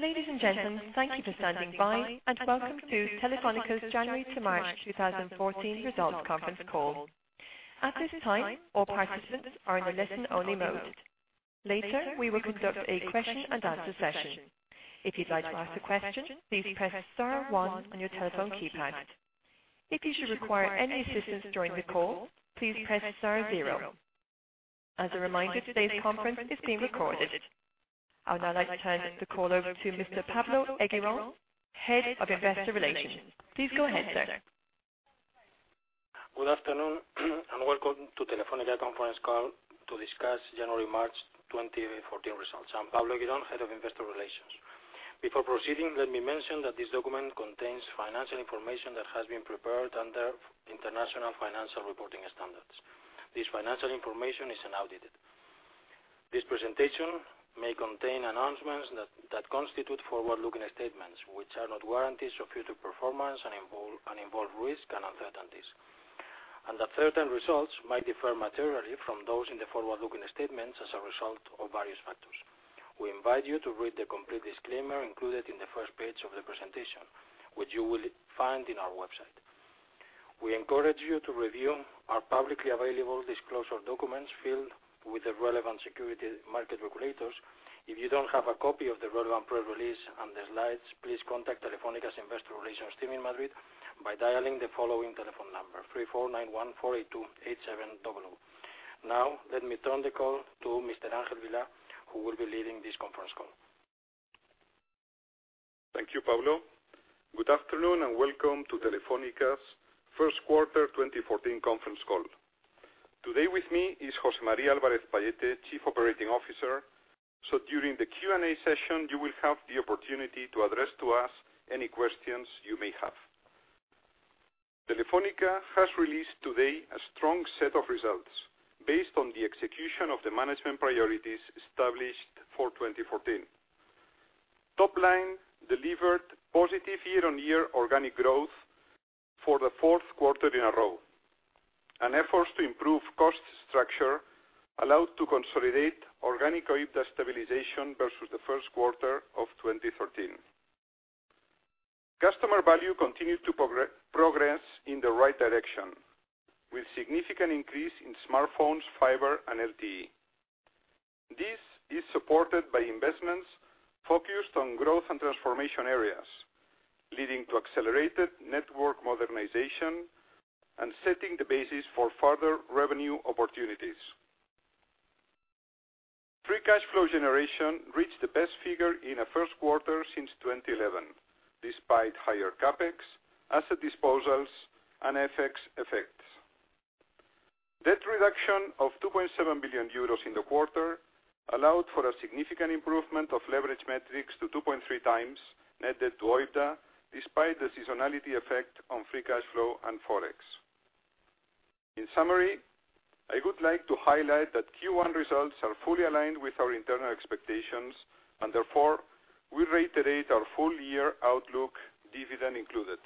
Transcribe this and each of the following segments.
Ladies and gentlemen, thank you for standing by, and welcome to Telefónica's January to March 2014 results conference call. At this time, all participants are in the listen-only mode. Later, we will conduct a question-and-answer session. If you'd like to ask a question, please press star one on your telephone keypad. If you should require any assistance during the call, please press star zero. As a reminder, today's conference is being recorded. I would now like to turn the call over to Mr. Pablo Eguirón, Head of Investor Relations. Please go ahead, sir. Good afternoon, and welcome to Telefónica conference call to discuss January-March 2014 results. I'm Pablo Eguirón, Head of Investor Relations. Before proceeding, let me mention that this document contains financial information that has been prepared under International Financial Reporting Standards. This financial information is unaudited. This presentation may contain announcements that constitute forward-looking statements, which are not guarantees of future performance and involve risk and uncertainties. And certain results might differ materially from those in the forward-looking statements as a result of various factors. We invite you to read the complete disclaimer included in the first page of the presentation, which you will find in our website. We encourage you to review our publicly available disclosure documents filed with the relevant security market regulators. If you don't have a copy of the relevant press release and the slides, please contact Telefónica's Investor Relations team in Madrid by dialing the following telephone number, 34914828700. Now, let me turn the call to Mr. Ángel Vilá, who will be leading this conference call. Thank you, Pablo. Good afternoon, and welcome to Telefónica's first quarter 2014 conference call. Today with me is José María Álvarez-Pallete, Chief Operating Officer. So during the Q&A session, you will have the opportunity to address to us any questions you may have. Telefónica has released today a strong set of results based on the execution of the management priorities established for 2014. Topline delivered positive year-on-year organic growth for the fourth quarter in a row. And efforts to improve cost structure allowed to consolidate organic OIBDA stabilization versus the first quarter of 2013. Customer value continued to progress in the right direction, with significant increase in smartphones, fiber, and LTE. This is supported by investments focused on growth and transformation areas, leading to accelerated network modernization and setting the basis for further revenue opportunities. Free cash flow generation reached the best figure in a first quarter since 2011, despite higher CapEx, asset disposals, and FX effects. Debt reduction of 2.7 billion euros in the quarter allowed for a significant improvement of leverage metrics to 2.3 times net debt to OIBDA, despite the seasonality effect on free cash flow and Forex. In summary, I would like to highlight that Q1 results are fully aligned with our internal expectations. Therefore, we reiterate our full-year outlook, dividend included.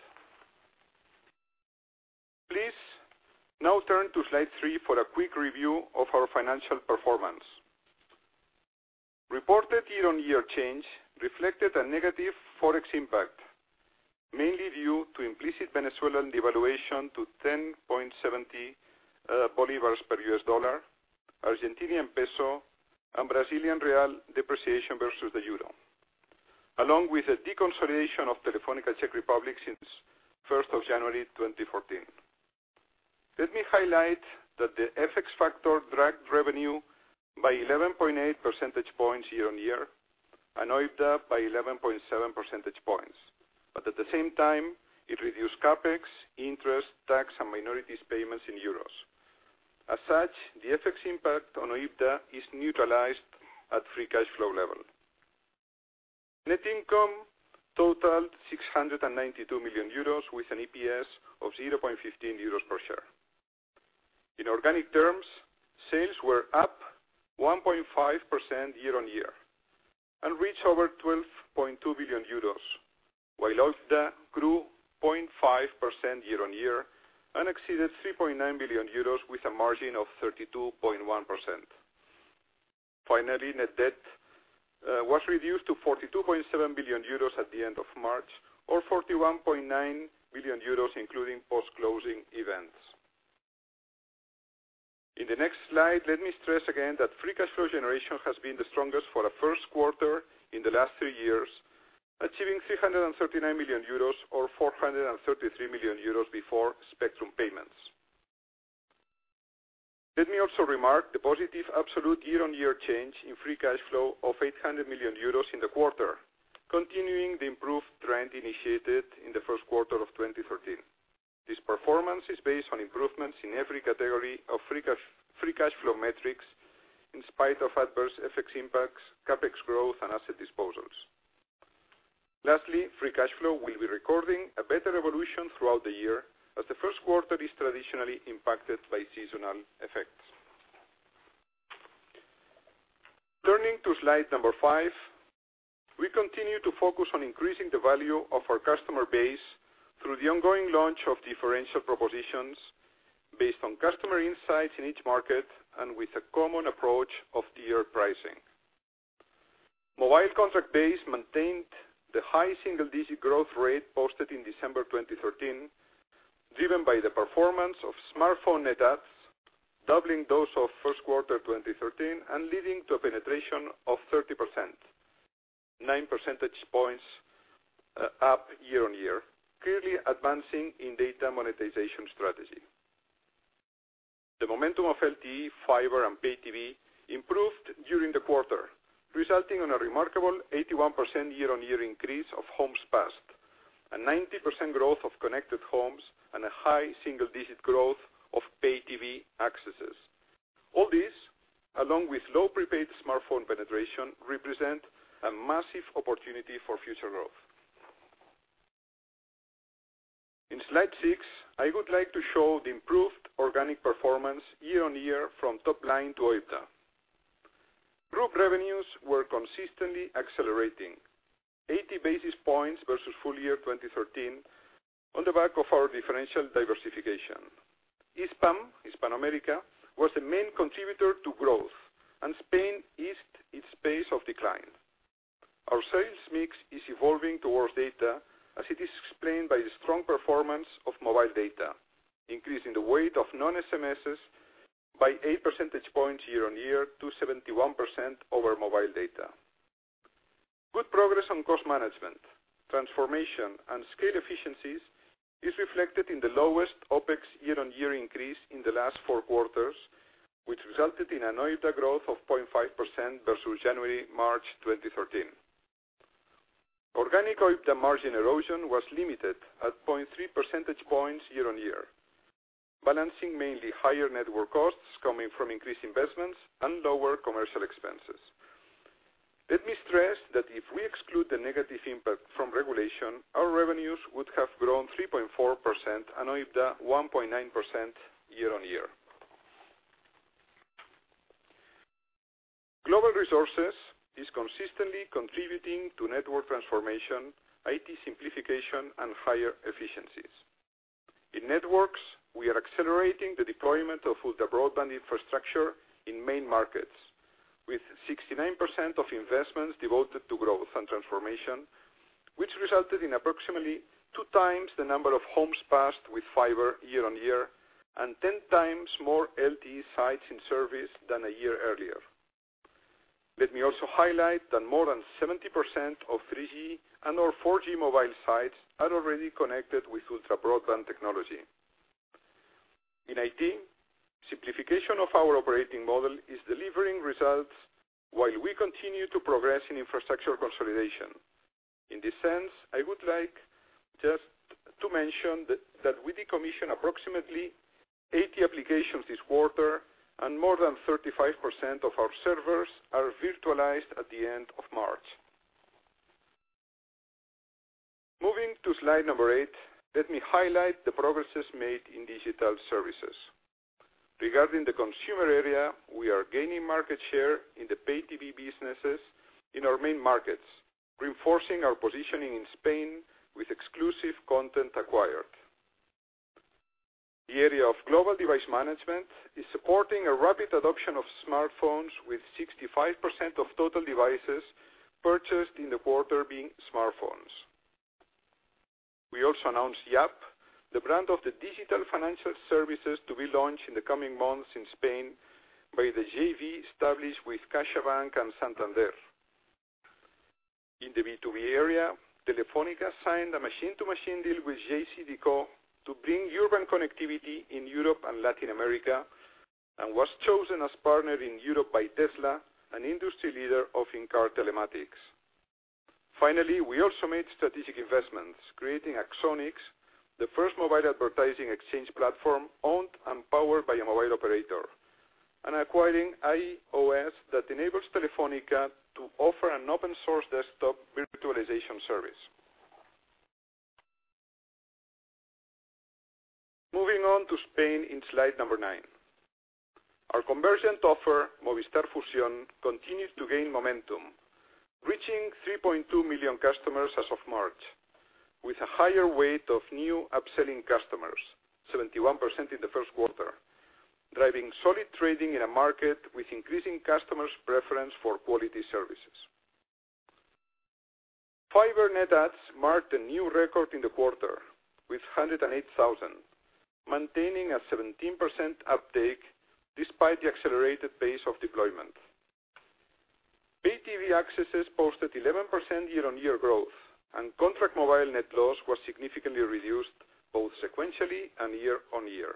Please now turn to slide three for a quick review of our financial performance. Reported year-on-year change reflected a negative Forex impact, mainly due to implicit Venezuelan devaluation to $10.70 bolivars per US dollar, Argentinian peso, and Brazilian real depreciation versus the euro, along with the deconsolidation of Telefónica Czech Republic since 1st of January 2014. Let me highlight that the FX factor dragged revenue by 11.8 percentage points year-on-year and OIBDA by 11.7 percentage points. At the same time, it reduced CapEx, interest, tax, and minorities payments in euros. As such, the FX impact on OIBDA is neutralized at free cash flow level. Net income totaled 692 million euros with an EPS of 0.15 euros per share. In organic terms, sales were up 1.5% year-on-year and reached over 12.2 billion euros, while OIBDA grew 0.5% year-on-year and exceeded 3.9 billion euros with a margin of 32.1%. Finally, net debt was reduced to 42.7 billion euros at the end of March or 41.9 billion euros, including post-closing events. In the next slide, let me stress again that free cash flow generation has been the strongest for a first quarter in the last three years, achieving 339 million euros or 333 million euros before spectrum payments. Let me also remark the positive absolute year-on-year change in free cash flow of 800 million euros in the quarter, continuing the improved trend initiated in the first quarter of 2013. This performance is based on improvements in every category of free cash flow metrics in spite of adverse FX impacts, CapEx growth, and asset disposals. Lastly, free cash flow will be recording a better evolution throughout the year as the first quarter is traditionally impacted by seasonal effects. Turning to slide number five, we continue to focus on increasing the value of our customer base through the ongoing launch of differential propositions based on customer insights in each market and with a common approach of tier pricing. Mobile contract base maintained the high single-digit growth rate posted in December 2013, driven by the performance of smartphone net adds, doubling those of Q1 2013 and leading to a penetration of 30%, nine percentage points up year-on-year, clearly advancing in data monetization strategy. The momentum of LTE fiber and Pay TV improved during the quarter, resulting in a remarkable 81% year-on-year increase of homes passed, a 90% growth of connected homes, and a high single-digit growth of Pay TV accesses. All this, along with low prepaid smartphone penetration, represents a massive opportunity for future growth. In slide six, I would like to show the improved organic performance year-on-year from top line to OIBDA. Group revenues were consistently accelerating, 80 basis points versus full year 2013, on the back of our differential diversification. Hispam, Hispanoamérica, was the main contributor to growth. Spain eased its pace of decline. Our sales mix is evolving towards data, as it is explained by the strong performance of mobile data, increasing the weight of non-SMSs by 8 percentage points year-on-year to 71% over mobile data. Good progress on cost management, transformation, and scale efficiencies is reflected in the lowest OpEx year-on-year increase in the last four quarters, which resulted in an OIBDA growth of 0.5% versus January-March 2013. Organic OIBDA margin erosion was limited at 0.3 percentage points year-on-year, balancing mainly higher network costs coming from increased investments and lower commercial expenses. Let me stress that if we exclude the negative impact from regulation, our revenues would have grown 3.4% and OIBDA 1.9% year-on-year. Global Resources is consistently contributing to network transformation, IT simplification, and higher efficiencies. In networks, we are accelerating the deployment of ultra-broadband infrastructure in main markets, with 69% of investments devoted to growth and transformation, which resulted in approximately two times the number of homes passed with fiber year-on-year and 10 times more LTE sites in service than a year earlier. Let me also highlight that more than 70% of 3G and our 4G mobile sites are already connected with ultra-broadband technology. In IT, simplification of our operating model is delivering results while we continue to progress in infrastructure consolidation. In this sense, I would like just to mention that we decommissioned approximately 80 applications this quarter, and more than 35% of our servers are virtualized at the end of March. Moving to slide number eight, let me highlight the progresses made in digital services. Regarding the consumer area, we are gaining market share in the Pay TV businesses in our main markets, reinforcing our positioning in Spain with exclusive content acquired. The area of global device management is supporting a rapid adoption of smartphones, with 65% of total devices purchased in the quarter being smartphones. We also announced Yaap, the brand of the digital financial services to be launched in the coming months in Spain by the JV established with CaixaBank and Santander. In the B2B area, Telefónica signed a machine-to-machine deal with JCDecaux to bring urban connectivity in Europe and Latin America and was chosen as partner in Europe by Tesla, an industry leader of in-car telematics. Finally, we also made strategic investments creating Axonix, the first mobile advertising exchange platform owned and powered by a mobile operator, and acquiring eyeOS that enables Telefónica to offer an open-source desktop virtualization service. Moving on to Spain in slide number nine. Our convergent offer, Movistar Fusión, continued to gain momentum, reaching 3.2 million customers as of March, with a higher weight of new upselling customers, 71% in the first quarter, driving solid trading in a market with increasing customers' preference for quality services. Fiber net adds marked a new record in the quarter with 108,000, maintaining a 17% uptake despite the accelerated pace of deployment. Pay TV accesses posted 11% year-on-year growth, and contract mobile net loss was significantly reduced both sequentially and year-on-year.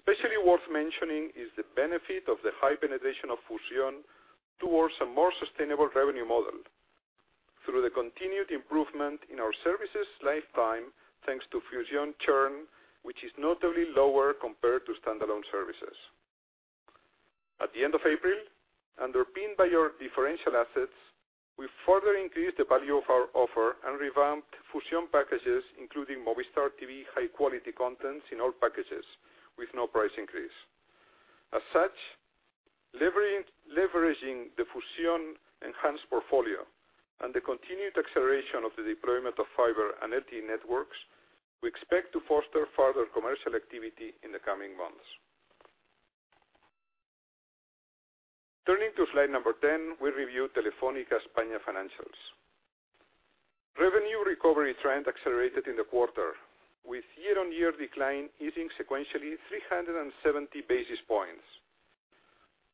Especially worth mentioning is the benefit of the high penetration of Fusión towards a more sustainable revenue model through the continued improvement in our services lifetime, thanks to Fusión churn, which is notably lower compared to standalone services. At the end of April, underpinned by our differential assets, we further increased the value of our offer and revamped Fusión packages, including Movistar TV high-quality content in all packages with no price increase. Leveraging the Fusión enhanced portfolio and the continued acceleration of the deployment of fiber and LTE networks, we expect to foster further commercial activity in the coming months. Turning to slide number 10, we review Telefónica España financials. Revenue recovery trend accelerated in the quarter, with year-on-year decline easing sequentially 370 basis points.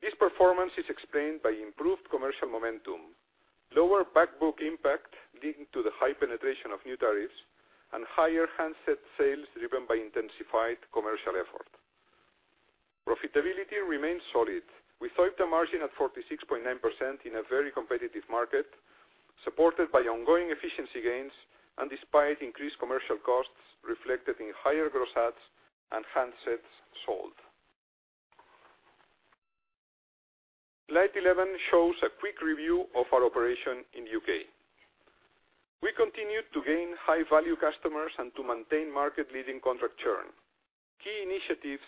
This performance is explained by improved commercial momentum, lower back book impact, leading to the high penetration of new tariffs, and higher handset sales driven by intensified commercial effort. Profitability remains solid, with OIBDA margin at 46.9% in a very competitive market, supported by ongoing efficiency gains and despite increased commercial costs reflected in higher gross adds and handsets sold. Slide 11 shows a quick review of our operation in the U.K. We continued to gain high-value customers and to maintain market-leading contract churn. Key initiatives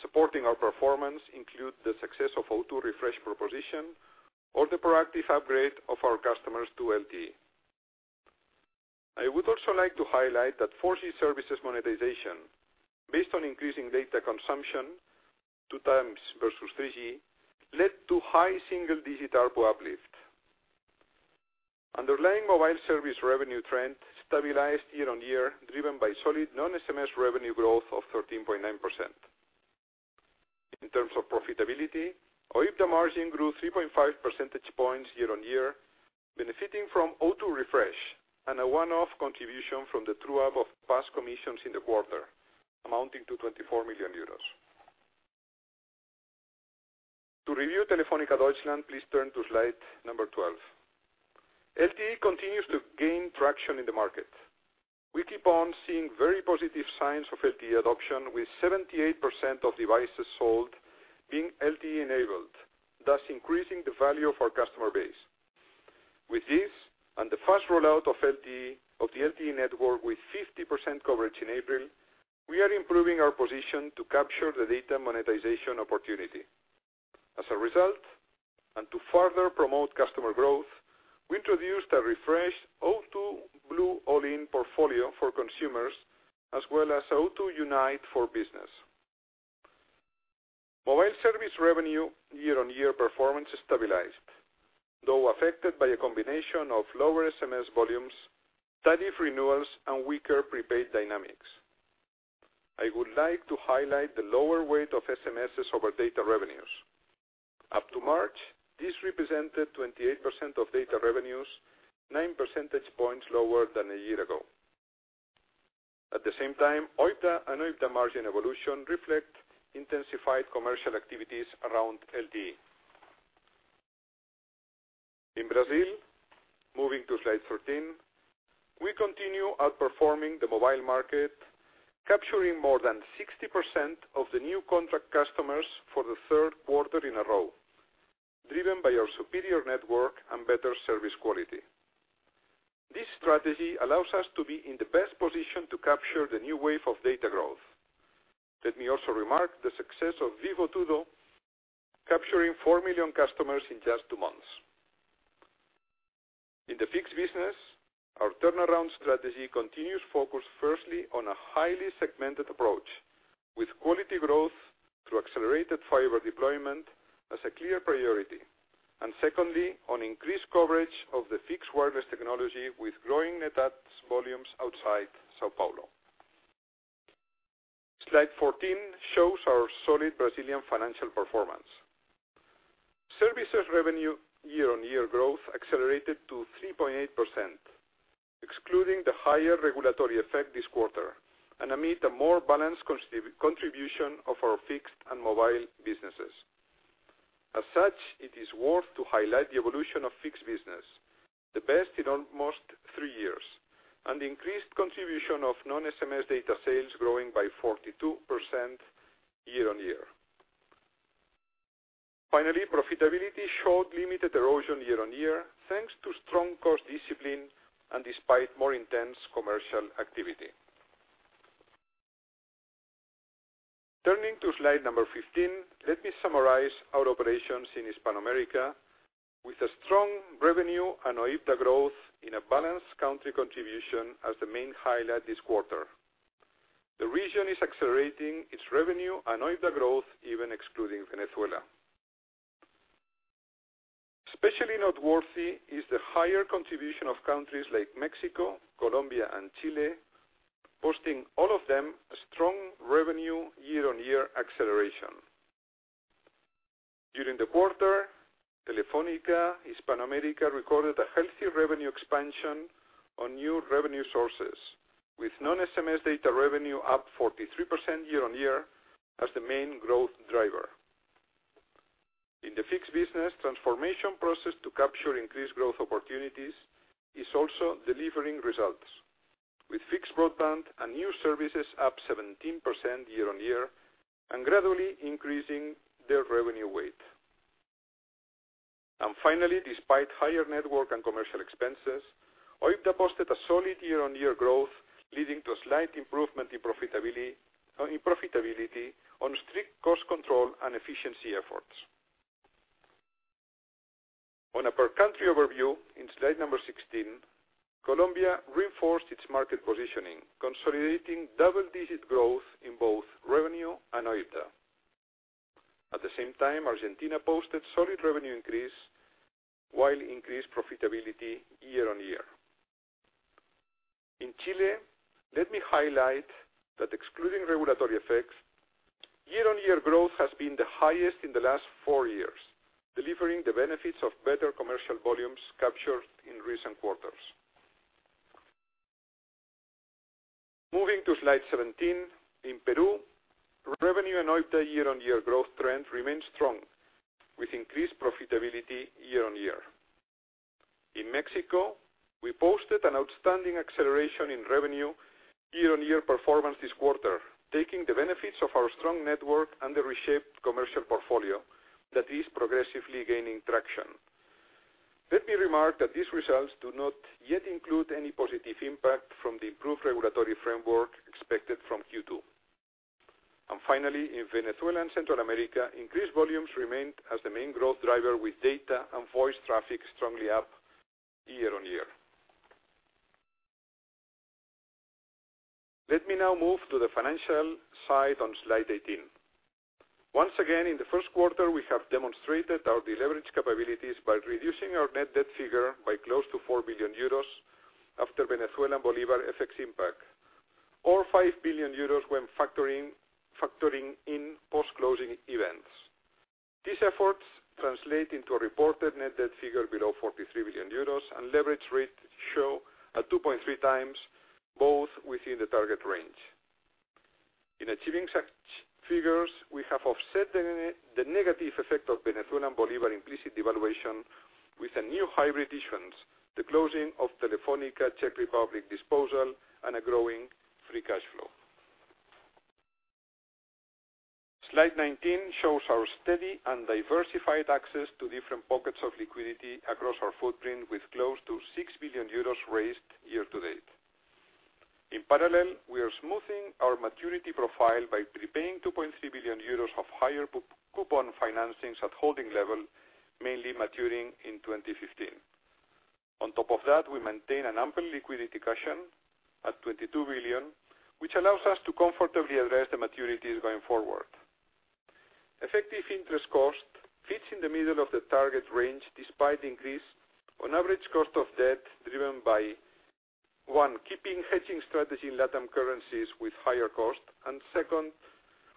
supporting our performance include the success of O2 Refresh proposition or the proactive upgrade of our customers to LTE. I would also like to highlight that 4G services monetization, based on increasing data consumption, two times versus 3G, led to high single-digit ARPU uplift. Underlying mobile service revenue trend stabilized year-on-year, driven by solid non-SMS revenue growth of 13.9%. In terms of profitability, OIBDA margin grew 3.5 percentage points year-on-year, benefiting from O2 Refresh and a one-off contribution from the true-up of past commissions in the quarter amounting to 24 million euros. To review Telefónica Deutschland, please turn to slide number 12. LTE continues to gain traction in the market. We keep on seeing very positive signs of LTE adoption, with 78% of devices sold being LTE-enabled, thus increasing the value of our customer base. With this and the fast rollout of the LTE network with 50% coverage in April, we are improving our position to capture the data monetization opportunity. As a result, and to further promote customer growth, we introduced a refreshed O2 Blue All-in portfolio for consumers, as well as O2 Unify for Business. Mobile service revenue year-on-year performance stabilized, though affected by a combination of lower SMS volumes, tariff renewals, and weaker prepaid dynamics. I would like to highlight the lower weight of SMSs over data revenues. Up to March, this represented 28% of data revenues, 9 percentage points lower than a year ago. At the same time, OIBDA and OIBDA margin evolution reflect intensified commercial activities around LTE. In Brazil, moving to slide 13, we continue outperforming the mobile market, capturing more than 60% of the new contract customers for the third quarter in a row, driven by our superior network and better service quality. Let me also remark the success of Vivo Tudo, capturing 4 million customers in just two months. In the fixed business, our turnaround strategy continues focused firstly on a highly segmented approach with quality growth through accelerated fiber deployment as a clear priority, and secondly, on increased coverage of the fixed wireless technology with growing net adds volumes outside São Paulo. Slide 14 shows our solid Brazilian financial performance. Services revenue year-on-year growth accelerated to 3.8%, excluding the higher regulatory effect this quarter, and amid a more balanced contribution of our fixed and mobile businesses. As such, it is worth to highlight the evolution of fixed business, the best in almost three years, and increased contribution of non-SMS data sales growing by 42% year-over-year. Finally, profitability showed limited erosion year-over-year, thanks to strong cost discipline and despite more intense commercial activity. Turning to slide 15, let me summarize our operations in Hispanoamérica with a strong revenue and OIBDA growth in a balanced country contribution as the main highlight this quarter. The region is accelerating its revenue and OIBDA growth, even excluding Venezuela. Especially noteworthy is the higher contribution of countries like Mexico, Colombia, and Chile, posting all of them a strong revenue year-over-year acceleration. During the quarter, Telefónica Hispanoamérica recorded a healthy revenue expansion on new revenue sources, with non-SMS data revenue up 43% year-over-year as the main growth driver. In the fixed business, transformation process to capture increased growth opportunities is also delivering results, with fixed broadband and new services up 17% year-over-year and gradually increasing their revenue weight. Finally, despite higher network and commercial expenses, OIBDA posted a solid year-over-year growth, leading to a slight improvement in profitability on strict cost control and efficiency efforts. On a per country overview in slide 16, Colombia reinforced its market positioning, consolidating double-digit growth in both revenue and OIBDA. At the same time, Argentina posted solid revenue increase while increased profitability year-over-year. In Chile, let me highlight that excluding regulatory effects, year-over-year growth has been the highest in the last four years, delivering the benefits of better commercial volumes captured in recent quarters. Moving to slide 17, in Peru, revenue and OIBDA year-over-year growth trend remains strong, with increased profitability year-over-year. In Mexico, we posted an outstanding acceleration in revenue year-over-year performance this quarter, taking the benefits of our strong network and the reshaped commercial portfolio that is progressively gaining traction. Let me remark that these results do not yet include any positive impact from the improved regulatory framework expected from Q2. Finally, in Venezuela and Central America, increased volumes remained as the main growth driver, with data and voice traffic strongly up year-over-year. Let me now move to the financial side on slide 18. Once again, in the first quarter, we have demonstrated our deleverage capabilities by reducing our net debt figure by close to 4 billion euros after Venezuelan bolivar FX impact, or 5 billion euros when factoring in post-closing events. These efforts translate into a reported net debt figure below 43 billion euros, and leverage rate show at 2.3 times, both within the target range. In achieving such figures, we have offset the negative effect of Venezuelan bolivar implicit devaluation with new hybrid issues, the closing of Telefónica Czech Republic disposal, and a growing free cash flow. Slide 19 shows our steady and diversified access to different pockets of liquidity across our footprint, with close to 6 billion euros raised year to date. In parallel, we are smoothing our maturity profile by prepaying 2.3 billion euros of higher coupon financings at holding level, mainly maturing in 2015. On top of that, we maintain an ample liquidity cushion at 22 billion, which allows us to comfortably address the maturities going forward. Effective interest cost fits in the middle of the target range, despite increase on average cost of debt driven by, 1, keeping hedging strategy in LatAm currencies with higher cost, and 2,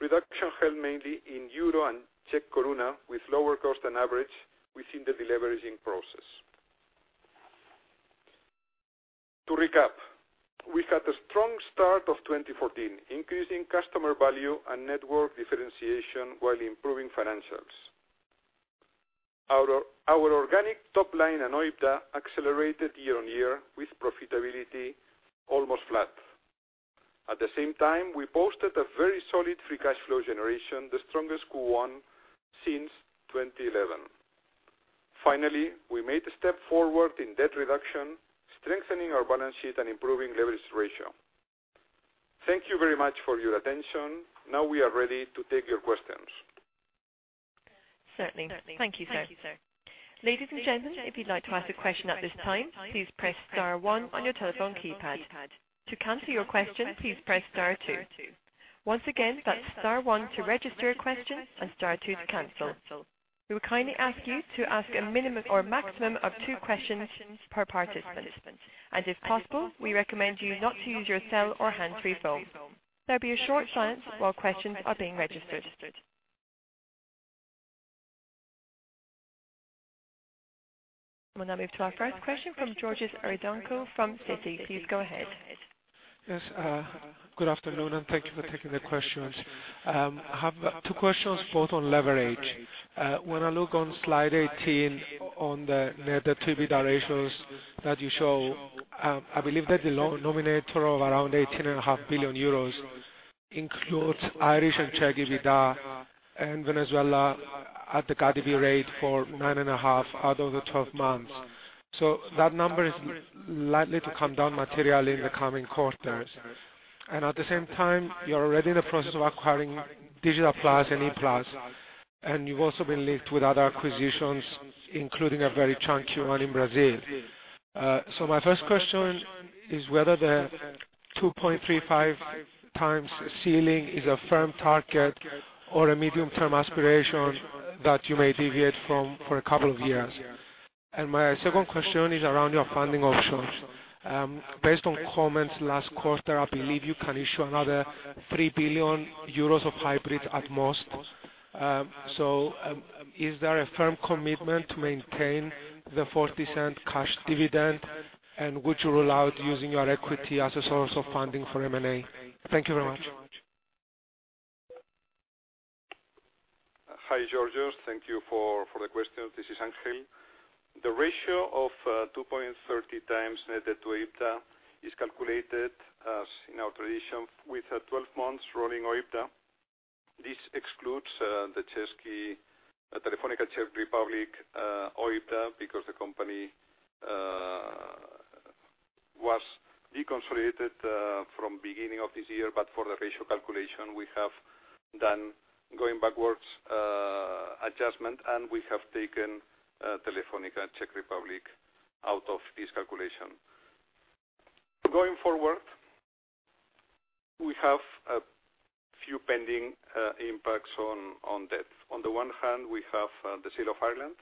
reduction held mainly in EUR and Czech koruna with lower cost on average within the deleveraging process. To recap, we've had a strong start of 2014, increasing customer value and network differentiation while improving financials. Our organic top line and OIBDA accelerated year-over-year, with profitability almost flat. At the same time, we posted a very solid free cash flow generation, the strongest Q1 since 2011. Finally, we made a step forward in debt reduction, strengthening our balance sheet and improving leverage ratio. Thank you very much for your attention. We are ready to take your questions. Certainly. Thank you, sir. Ladies and gentlemen, if you'd like to ask a question at this time, please press star one on your telephone keypad. To cancel your question, please press star two. Once again, that's star one to register a question and star two to cancel. We would kindly ask you to ask a maximum of two questions per participant. If possible, we recommend you not to use your cell or hands-free phone. There'll be a short silence while questions are being registered. We'll now move to our first question from Georgios Ierodiaconou from Citi. Please go ahead. Yes. Good afternoon, and thank you for taking the questions. I have two questions, both on leverage. When I look on slide 18 on the net debt-to-EBITDA ratios that you show, I believe that the denominator of around 18.5 billion euros includes Irish and Czech EBITDA and Venezuela at the CADIVI rate for nine and a half out of the 12 months. That number is likely to come down materially in the coming quarters. At the same time, you're already in the process of acquiring Digital+ and E-Plus, and you've also been linked with other acquisitions, including a very chunky one in Brazil. My first question is whether the 2.35x ceiling is a firm target or a medium-term aspiration that you may deviate from for a couple of years. My second question is around your funding options. Based on comments last quarter, I believe you can issue another 3 billion euros of hybrids at most. Is there a firm commitment to maintain the 0.40 cash dividend, and would you rule out using your equity as a source of funding for M&A? Thank you very much. Hi, Georgios. Thank you for the question. This is Ángel. The ratio of 2.30 times net debt to OIBDA is calculated as in our tradition with a 12 months rolling OIBDA. This excludes the Telefónica Czech Republic OIBDA, because the company was deconsolidated from beginning of this year. For the ratio calculation, we have done going backwards adjustment, and we have taken Telefónica Czech Republic out of this calculation. Going forward, we have a few pending impacts on debt. On the one hand, we have the sale of Ireland,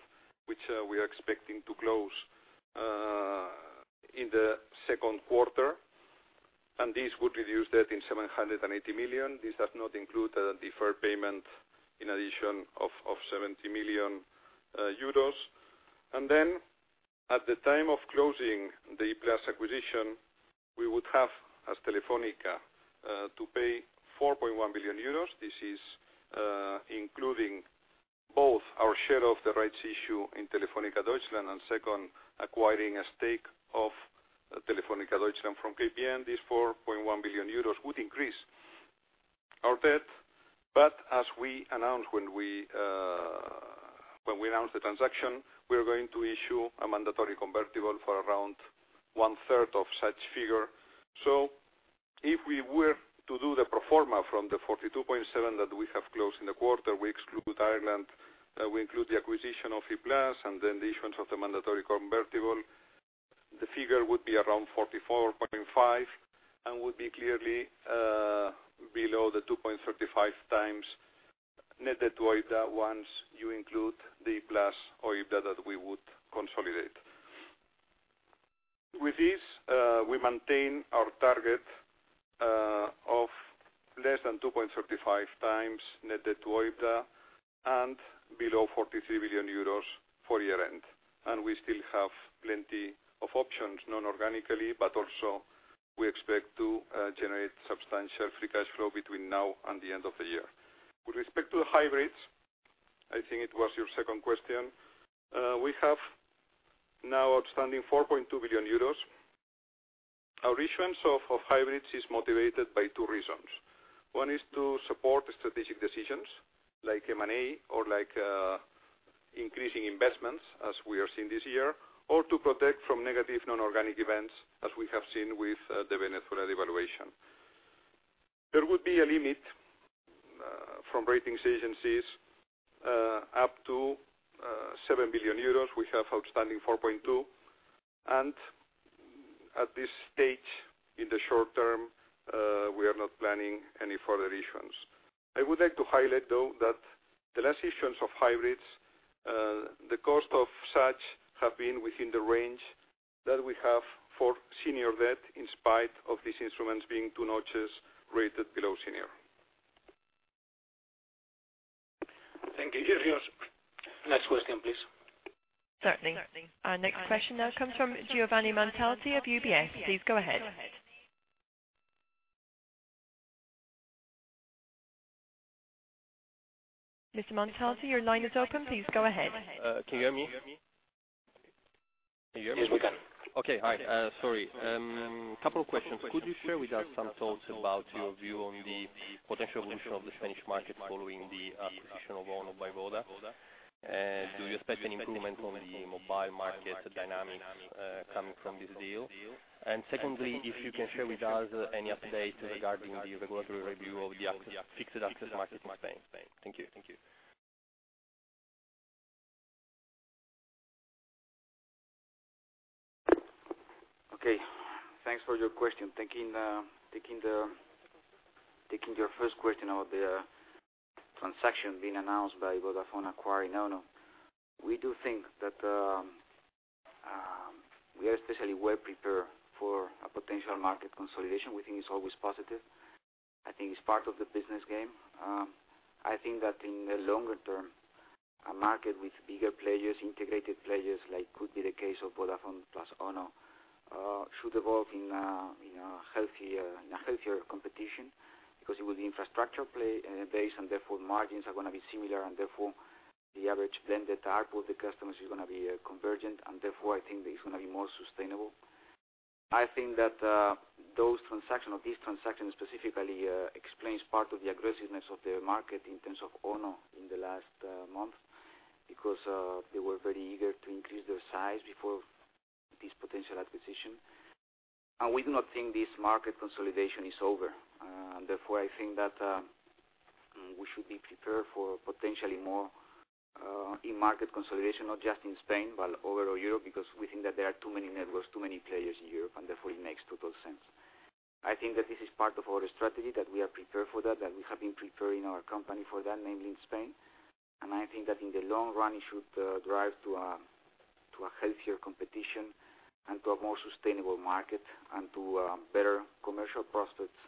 which we are expecting to close in the second quarter, and this would reduce debt in 780 million. This does not include a deferred payment in addition of 70 million euros. At the time of closing the E-Plus acquisition, we would have, as Telefónica, to pay 4.1 billion euros. This is including both our share of the rights issue in Telefónica Deutschland, and second, acquiring a stake of Telefónica Deutschland from KPN. This 4.1 billion euros would increase our debt, as we announced when we announced the transaction, we are going to issue a mandatory convertible for around one third of such figure. If we were to do the pro forma from the 42.7 that we have closed in the quarter, we exclude Ireland, we include the acquisition of E-Plus, the issuance of the mandatory convertible, the figure would be around 44.5 and would be clearly below the 2.35 times net debt to OIBDA, once you include the E-Plus OIBDA that we would consolidate. With this, we maintain our target of less than 2.35 times net debt to OIBDA and below 43 billion euros for year-end. We still have plenty of options, non-organically, but also we expect to generate substantial free cash flow between now and the end of the year. With respect to the hybrids, I think it was your second question, we have now outstanding 4.2 billion euros. Our issuance of hybrids is motivated by two reasons. One is to support strategic decisions like M&A or increasing investments, as we are seeing this year, or to protect from negative non-organic events, as we have seen with the Venezuela devaluation. There would be a limit from ratings agencies up to 7 billion euros. We have outstanding 4.2, at this stage, in the short term, we are not planning any further issuance. I would like to highlight, though, that the last issuance of hybrids, the cost of such have been within the range that we have for senior debt, in spite of these instruments being two notches rated below senior. Thank you. Next question, please. Certainly. Our next question now comes from Giovanni Montalti of UBS. Please go ahead. Mr. Montalti, your line is open. Please go ahead. Can you hear me? Yes, we can. Okay. Hi. Sorry. Couple of questions. Could you share with us some thoughts about your view on the potential evolution of the Spanish market following the acquisition of ONO by Vodafone? Do you expect an improvement on the mobile market dynamics coming from this deal? Secondly, if you can share with us any update regarding the regulatory review of the fixed access market in Spain. Thank you. Okay. Thanks for your question. Taking your first question about the transaction being announced by Vodafone acquiring ONO. We do think that we are especially well prepared for a potential market consolidation. We think it's always positive. I think it's part of the business game. I think that in the longer term, a market with bigger players, integrated players, like could be the case of Vodafone plus ONO, should evolve in a healthier competition because it will be infrastructure play base. Therefore, margins are going to be similar. Therefore, the average blend, the ARPU, the customers is going to be convergent. Therefore, I think it's going to be more sustainable. I think that those transaction or this transaction specifically explains part of the aggressiveness of the market in terms of ONO in the last month, because they were very eager to increase their size before this potential acquisition. We do not think this market consolidation is over. Therefore, I think that we should be prepared for potentially more in market consolidation, not just in Spain, but overall Europe, because we think that there are too many networks, too many players in Europe. Therefore, it makes total sense. I think that this is part of our strategy, that we are prepared for that we have been preparing our company for that, mainly in Spain. I think that in the long run, it should drive to a healthier competition and to a more sustainable market and to better commercial prospects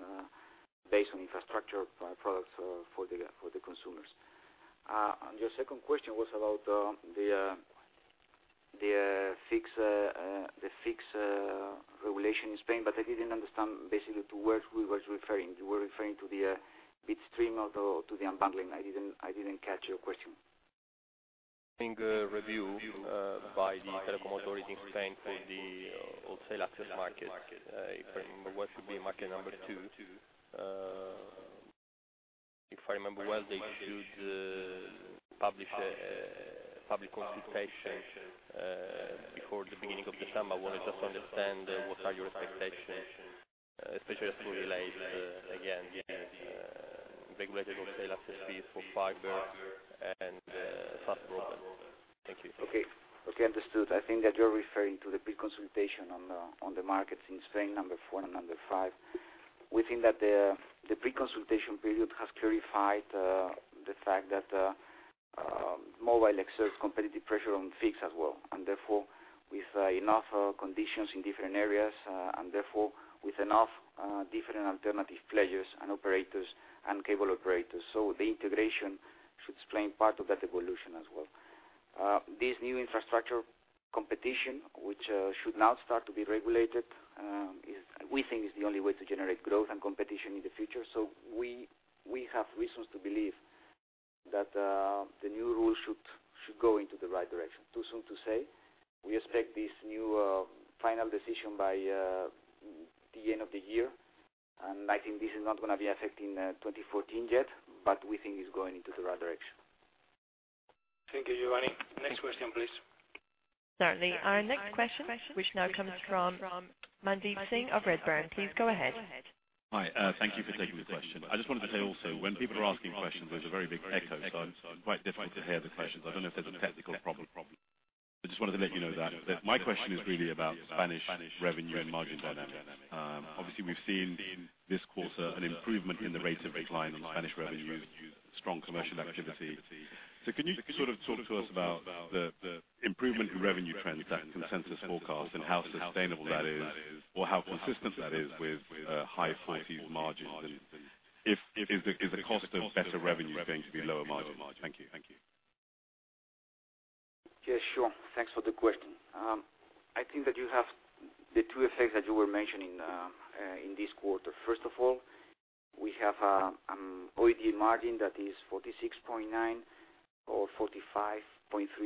based on infrastructure products for the consumers. Your second question was about the fixed regulation in Spain, I didn't understand basically to what we was referring. You were referring to the bitstream or to the unbundling. I didn't catch your question. In review by the telecom authority in Spain for the wholesale access market. If I remember well, it should be market number 2. If I remember well, they should publish a public consultation before the beginning of December. I want to just understand what are your expectations, especially as it relates, again, to regulated wholesale access fees for fiber and fast broadband. Thank you. Okay. Understood. I think that you're referring to the pre-consultation on the markets in Spain, number 4 and number 5. We think that the pre-consultation period has clarified the fact that mobile exerts competitive pressure on fixed as well, and therefore with enough conditions in different areas, and therefore with enough different alternative players and operators and cable operators. The integration should explain part of that evolution as well. This new infrastructure competition, which should now start to be regulated, we think is the only way to generate growth and competition in the future. We have reasons to believe that the new rule should go into the right direction. Too soon to say. We expect this new final decision by the end of the year, and I think this is not going to be affecting 2014 yet, but we think it's going into the right direction. Thank you, Giovanni. Next question, please. Certainly. Our next question, which now comes from Mandeep Singh of Redburn. Please go ahead. Hi. Thank you for taking the question. I just wanted to say also, when people are asking questions, there's a very big echo, so it's quite difficult to hear the questions. I don't know if there's a technical problem, but just wanted to let you know that. My question is really about Spanish revenue and margin dynamics. Obviously, we've seen this quarter an improvement in the rate of decline in Spanish revenues, strong commercial activity. Can you talk to us about the improvement in revenue trends that consensus forecasts and how sustainable that is, or how consistent that is with high 40s margins, and if the cost of better revenue is going to be lower margin? Thank you. Yeah, sure. Thanks for the question. I think that you have the two effects that you were mentioning in this quarter. First of all, we have an OIBDA margin that is 46.9 or 45.3,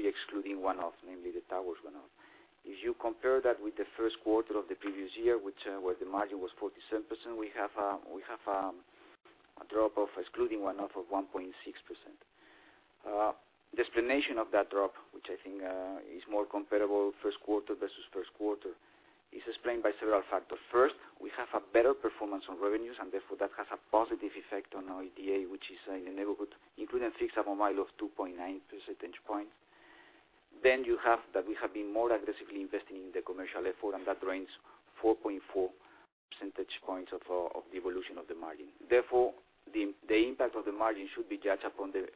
excluding one-off, namely the towers one-off. If you compare that with the first quarter of the previous year, where the margin was 47%, we have a drop, excluding one-off, of 1.6%. The explanation of that drop, which I think is more comparable first quarter versus first quarter, is explained by several factors. First, we have a better performance on revenues, and therefore that has a positive effect on our OIBDA, which is in the neighborhood, including fixed mobile, of 2.9 percentage points. You have that we have been more aggressively investing in the commercial effort, and that drains 4.4 percentage points of the evolution of the margin. The impact of the margin should be judged upon the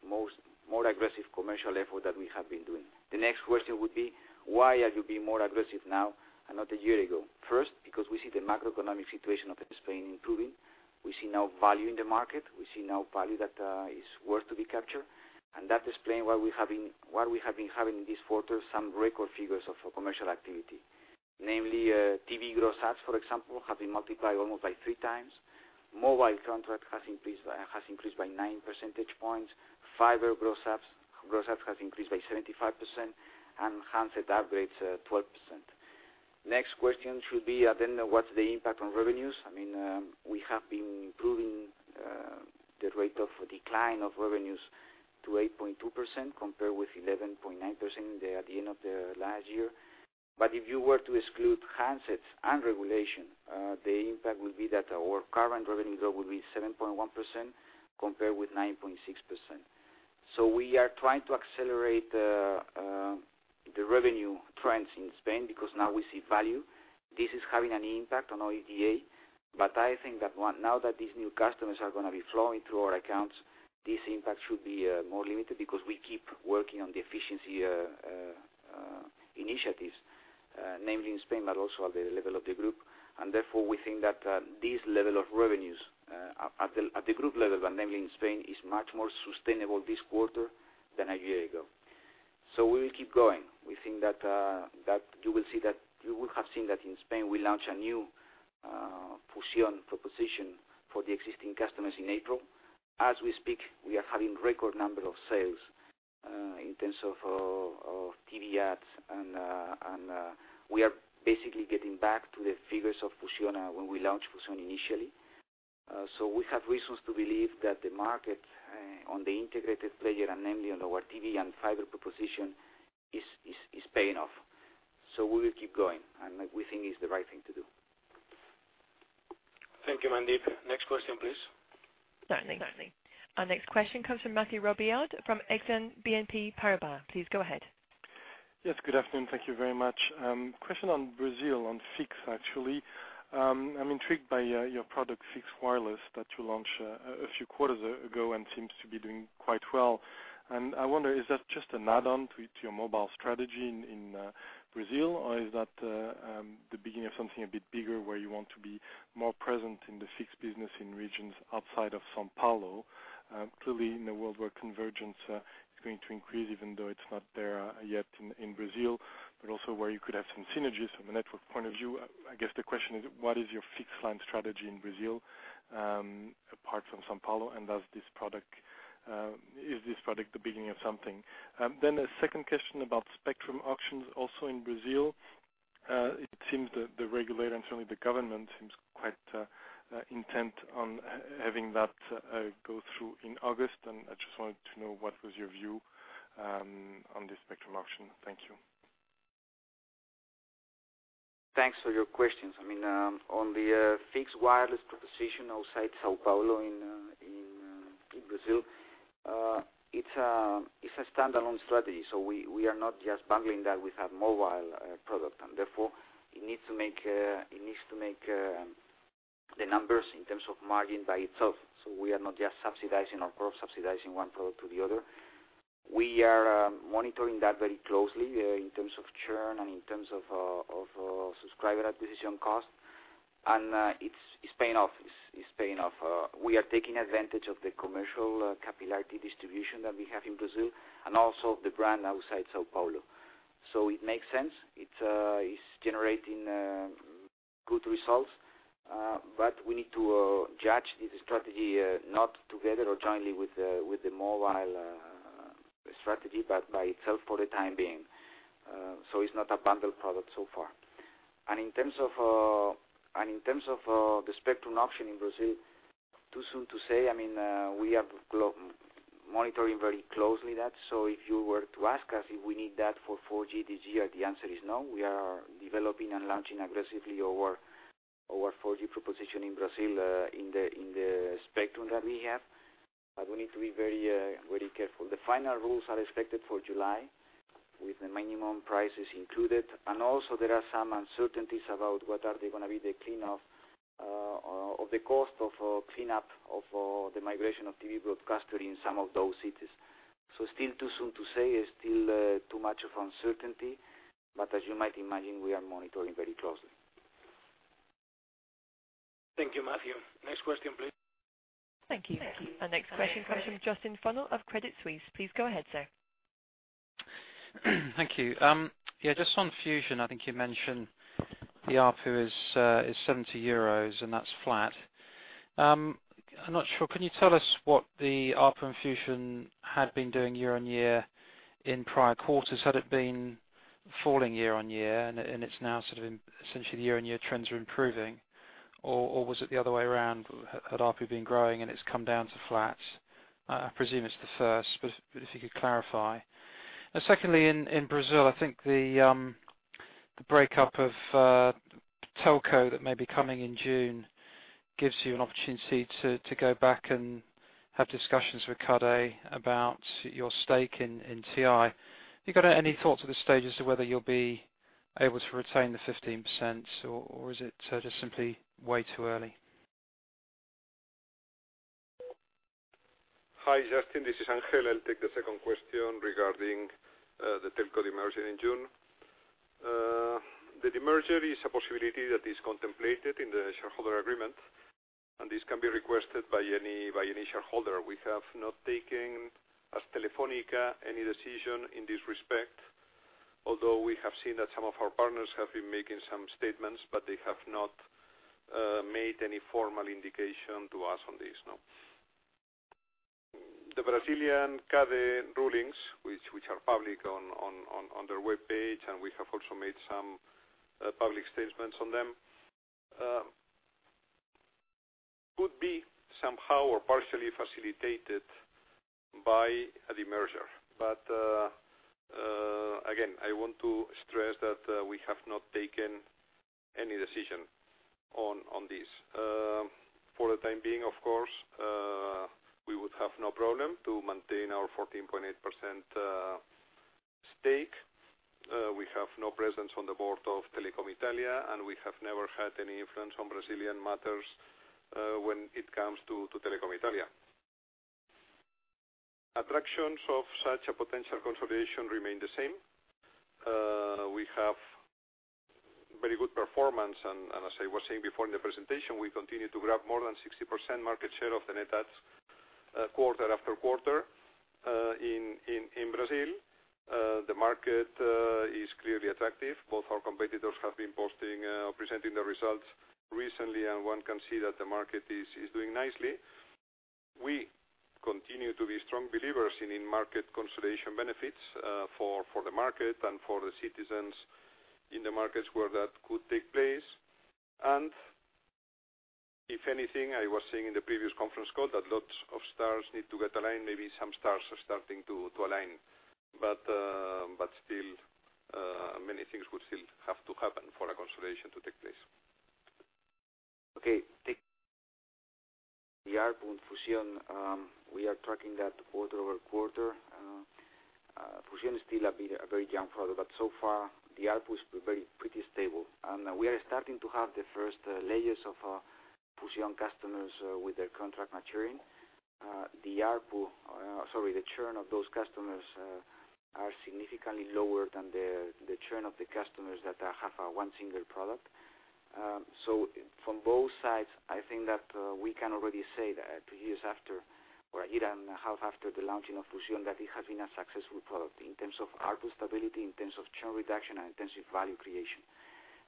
more aggressive commercial effort that we have been doing. The next question would be, why are you being more aggressive now and not a year ago? First, because we see the macroeconomic situation of Spain improving. We see now value in the market. We see now value that is worth to be captured, and that explain why we have been having this quarter some record figures of commercial activity. Namely, TV gross adds, for example, have been multiplied almost by three times. Mobile contract has increased by nine percentage points. Fiber gross adds has increased by 75%, and handset upgrades, 12%. Next question should be, what's the impact on revenues? We have been improving the rate of decline of revenues to 8.2%, compared with 11.9% at the end of last year. If you were to exclude handsets and regulation, the impact would be that our current revenue growth would be 7.1%, compared with 9.6%. We are trying to accelerate the revenue trends in Spain because now we see value. This is having an impact on our OIBDA, but I think that now that these new customers are going to be flowing through our accounts, this impact should be more limited because we keep working on the efficiency initiatives, namely in Spain, but also at the level of the group. We think that this level of revenues at the group level, but namely in Spain, is much more sustainable this quarter than a year ago. We will keep going. We think that you would have seen that in Spain, we launched a new Fusión proposition for the existing customers in April. As we speak, we are having record number of sales in terms of TV adds, and we are basically getting back to the figures of Fusión when we launched Fusión initially. We have reasons to believe that the market on the integrated player, and namely on our TV and fiber proposition, is paying off. We will keep going, and we think it's the right thing to do. Thank you, Mandeep. Next question, please. Certainly. Our next question comes from Mathieu Robillard from Exane BNP Paribas. Please go ahead. Yes, good afternoon. Thank you very much. Question on Brazil, on fixed, actually. I'm intrigued by your product, fixed wireless, that you launched a few quarters ago and seems to be doing quite well. I wonder, is that just an add-on to your mobile strategy in Brazil, or is that the beginning of something a bit bigger where you want to be more present in the fixed business in regions outside of São Paulo? Clearly, in a world where convergence is going to increase, even though it's not there yet in Brazil, also where you could have some synergies from a network point of view. I guess the question is, what is your fixed line strategy in Brazil apart from São Paulo, and is this product the beginning of something? A second question about spectrum auctions also in Brazil. It seems that the regulator and certainly the government seems quite intent on having that go through in August. I just wanted to know what was your view on this spectrum auction. Thank you. Thanks for your questions. On the fixed wireless proposition outside São Paulo in Brazil, it's a standalone strategy. We are not just bundling that with our mobile product, and therefore, it needs to make the numbers in terms of margin by itself. We are not just subsidizing our product, subsidizing one product to the other. We are monitoring that very closely in terms of churn and in terms of subscriber acquisition cost. It's paying off. We are taking advantage of the commercial capillarity distribution that we have in Brazil, and also the brand outside São Paulo. It makes sense. It's generating good results. We need to judge this strategy not together or jointly with the mobile strategy, but by itself for the time being. It's not a bundled product so far. In terms of the spectrum auction in Brazil, too soon to say. We are monitoring very closely that. If you were to ask us if we need that for 4G this year, the answer is no. We are developing and launching aggressively our 4G proposition in Brazil in the spectrum that we have. We need to be very careful. The final rules are expected for July, with the minimum prices included. Also there are some uncertainties about what are they going to be the cost of cleanup of the migration of TV broadcasters in some of those cities. Still too soon to say. It's still too much of uncertainty. As you might imagine, we are monitoring very closely. Thank you, Mathieu. Next question, please. Thank you. Our next question comes from Justin Funnell of Credit Suisse. Please go ahead, sir. Thank you. Yeah, just on Fusión, I think you mentioned the ARPU is 70 euros, and that's flat. I'm not sure. Can you tell us what the ARPU in Fusión had been doing year-over-year in prior quarters? Had it been falling year-over-year, and it's now essentially the year-over-year trends are improving, or was it the other way around? Had ARPU been growing and it's come down to flat? I presume it's the first, but if you could clarify. Secondly, in Brazil, I think the breakup of Telco that may be coming in June gives you an opportunity to go back and have discussions with CADE about your stake in TI. You got any thoughts at this stage as to whether you'll be able to retain the 15%, or is it just simply way too early? Hi, Justin. This is Ángel. I'll take the second question regarding the Telco demerger in June. The demerger is a possibility that is contemplated in the shareholder agreement, and this can be requested by any shareholder. We have not taken, as Telefónica, any decision in this respect, although we have seen that some of our partners have been making some statements, but they have not made any formal indication to us on this, no. The Brazilian CADE rulings, which are public on their webpage, and we have also made some public statements on them could be somehow or partially facilitated by a demerger. Again, I want to stress that we have not taken any decision on this. For the time being, of course, we would have no problem to maintain our 14.8% stake. We have no presence on the board of Telecom Italia, and we have never had any influence on Brazilian matters when it comes to Telecom Italia. Attractions of such a potential consolidation remain the same. We have very good performance, and as I was saying before in the presentation, we continue to grab more than 60% market share of the net adds quarter after quarter in Brazil. The market is clearly attractive. Both our competitors have been presenting the results recently, and one can see that the market is doing nicely. We continue to be strong believers in market consolidation benefits for the market and for the citizens in the markets where that could take place. If anything, I was saying in the previous conference call that lots of stars need to get aligned. Maybe some stars are starting to align, but still many things would still have to happen for a consolidation to take place. Okay. Take the ARPU on Fusión. We are tracking that quarter-over-quarter. Fusión is still a very young product, but so far the ARPU is pretty stable. We are starting to have the first layers of Fusión customers with their contract maturing. The churn of those customers are significantly lower than the churn of the customers that have one single product. From both sides, I think that we can already say that a year and a half after the launching of Fusión, that it has been a successful product in terms of ARPU stability, in terms of churn reduction, and in terms of value creation.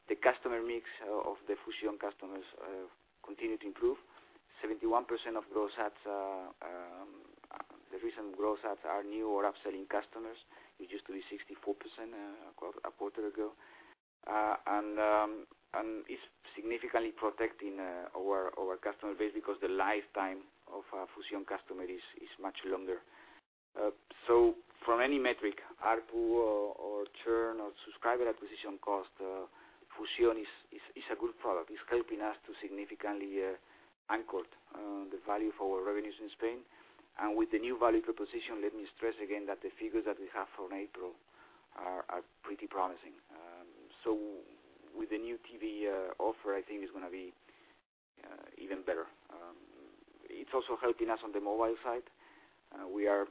The customer mix of the Fusión customers continue to improve. 71% of gross adds are The recent growth of our new or upselling customers, which used to be 64% a quarter ago. It's significantly protecting our customer base because the lifetime of a Fusión customer is much longer. From any metric, ARPU or churn or subscriber acquisition cost, Fusión is a good product. It's helping us to significantly anchor the value for our revenues in Spain. With the new value proposition, let me stress again that the figures that we have from April are pretty promising. With the new TV offer, I think it's going to be even better. It's also helping us on the mobile side. As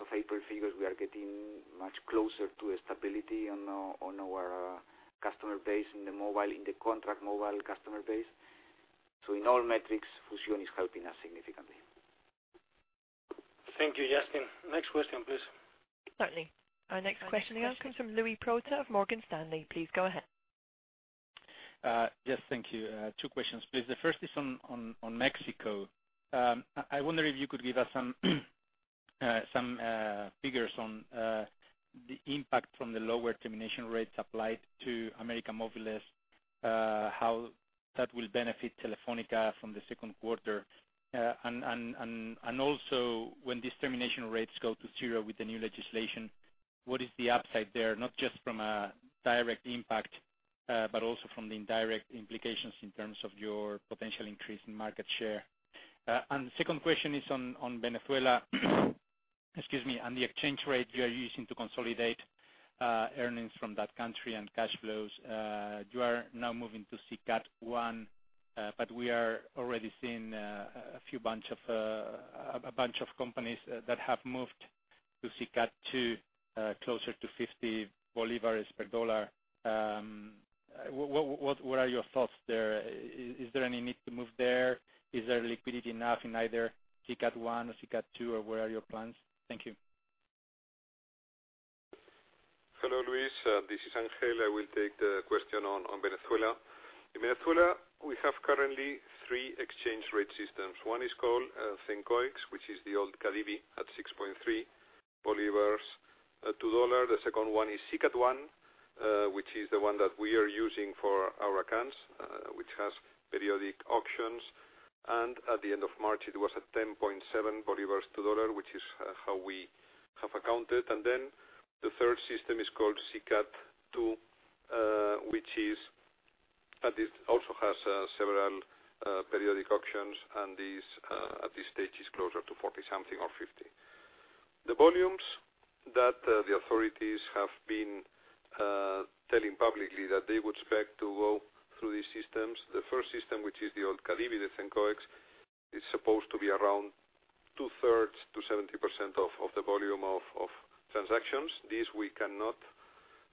of April figures, we are getting much closer to stability on our customer base in the contract mobile customer base. In all metrics, Fusión is helping us significantly. Thank you, Justin. Next question, please. Certainly. Our next question here comes from Luis Prota of Morgan Stanley. Please go ahead. Yes, thank you. Two questions, please. The first is on Mexico. I wonder if you could give us some figures on the impact from the lower termination rates applied to América Móvil, how that will benefit Telefónica from the second quarter. Also when these termination rates go to zero with the new legislation, what is the upside there, not just from a direct impact, but also from the indirect implications in terms of your potential increase in market share? The second question is on Venezuela, excuse me, and the exchange rate you are using to consolidate earnings from that country and cash flows. You are now moving to SICAD I, but we are already seeing a bunch of companies that have moved to SICAD II, closer to 50 bolívares per USD. What are your thoughts there? Is there any need to move there? Is there liquidity enough in either SICAD I or SICAD II, or what are your plans? Thank you. Hello, Luis. This is Ángel. I will take the question on Venezuela. In Venezuela, we have currently three exchange rate systems. One is called CENCOEX, which is the old CADIVI at 6.3 bolívares to USD. The second one is SICAD I, which is the one that we are using for our accounts, which has periodic auctions, and at the end of March, it was at 10.7 bolívares to USD, which is how we have accounted. Then the third system is called SICAD II, which also has several periodic auctions, and at this stage is closer to 40 something or 50. The volumes that the authorities have been telling publicly that they would expect to go through these systems. The first system, which is the old CADIVI, the CENCOEX, is supposed to be around two-thirds to 70% of the volume of transactions. This we cannot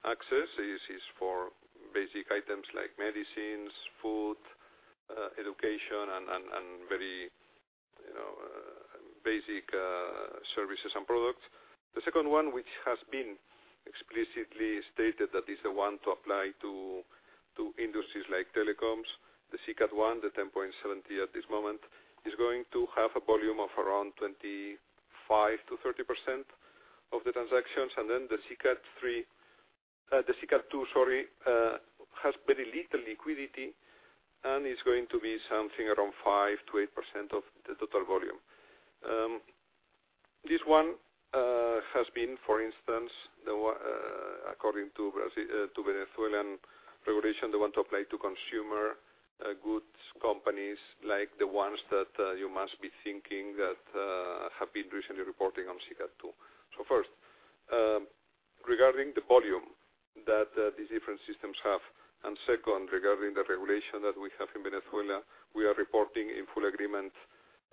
access. This is for basic items like medicines, food, education, and very basic services and products. The second one, which has been explicitly stated that is the one to apply to industries like telecoms. The SICAD I, the 10.70 at this moment, is going to have a volume of around 25%-30% of the transactions. The SICAD II has very little liquidity and is going to be something around 5%-8% of the total volume. This one has been, for instance, according to Venezuelan regulation, the one to apply to consumer goods companies like the ones that you must be thinking that have been recently reporting on SICAD II. First, regarding the volume that these different systems have, and second, regarding the regulation that we have in Venezuela, we are reporting in full agreement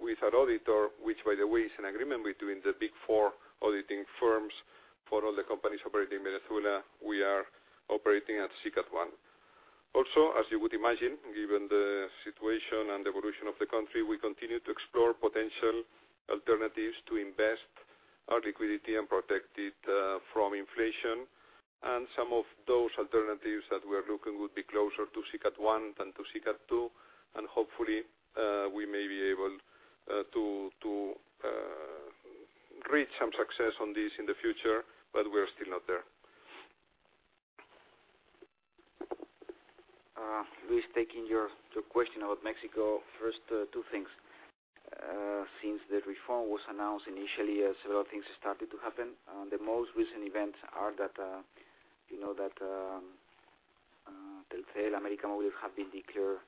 with our auditor, which by the way, is an agreement between the Big Four auditing firms for all the companies operating in Venezuela. We are operating at SICAD I. Also, as you would imagine, given the situation and evolution of the country, we continue to explore potential alternatives to invest our liquidity and protect it from inflation. Some of those alternatives that we're looking would be closer to SICAD I than to SICAD II. Hopefully, we may be able to reach some success on this in the future, but we're still not there. Luis, taking your question about Mexico, first, two things. Since the reform was announced initially, several things started to happen. The most recent events are that Telcel, América Móvil, have been declared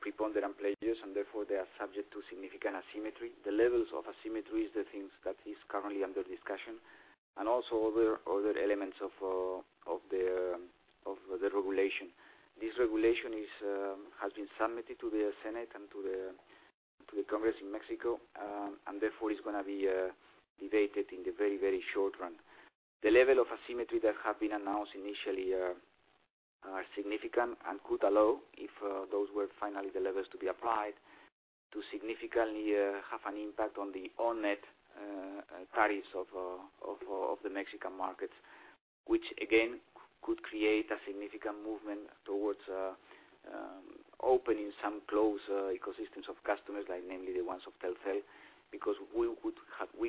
preponderant players, and therefore they are subject to significant asymmetry. The levels of asymmetry is the thing that is currently under discussion, and also other elements of the regulation. This regulation has been submitted to the Senate and to the Congress in Mexico, and therefore is going to be debated in the very short run. The level of asymmetry that have been announced initially are significant and could allow, if those were finally the levels to be applied, to significantly have an impact on the all-net tariffs of the Mexican markets. Which again, could create a significant movement towards opening some closed ecosystems of customers, like namely the ones of Telefónica, because we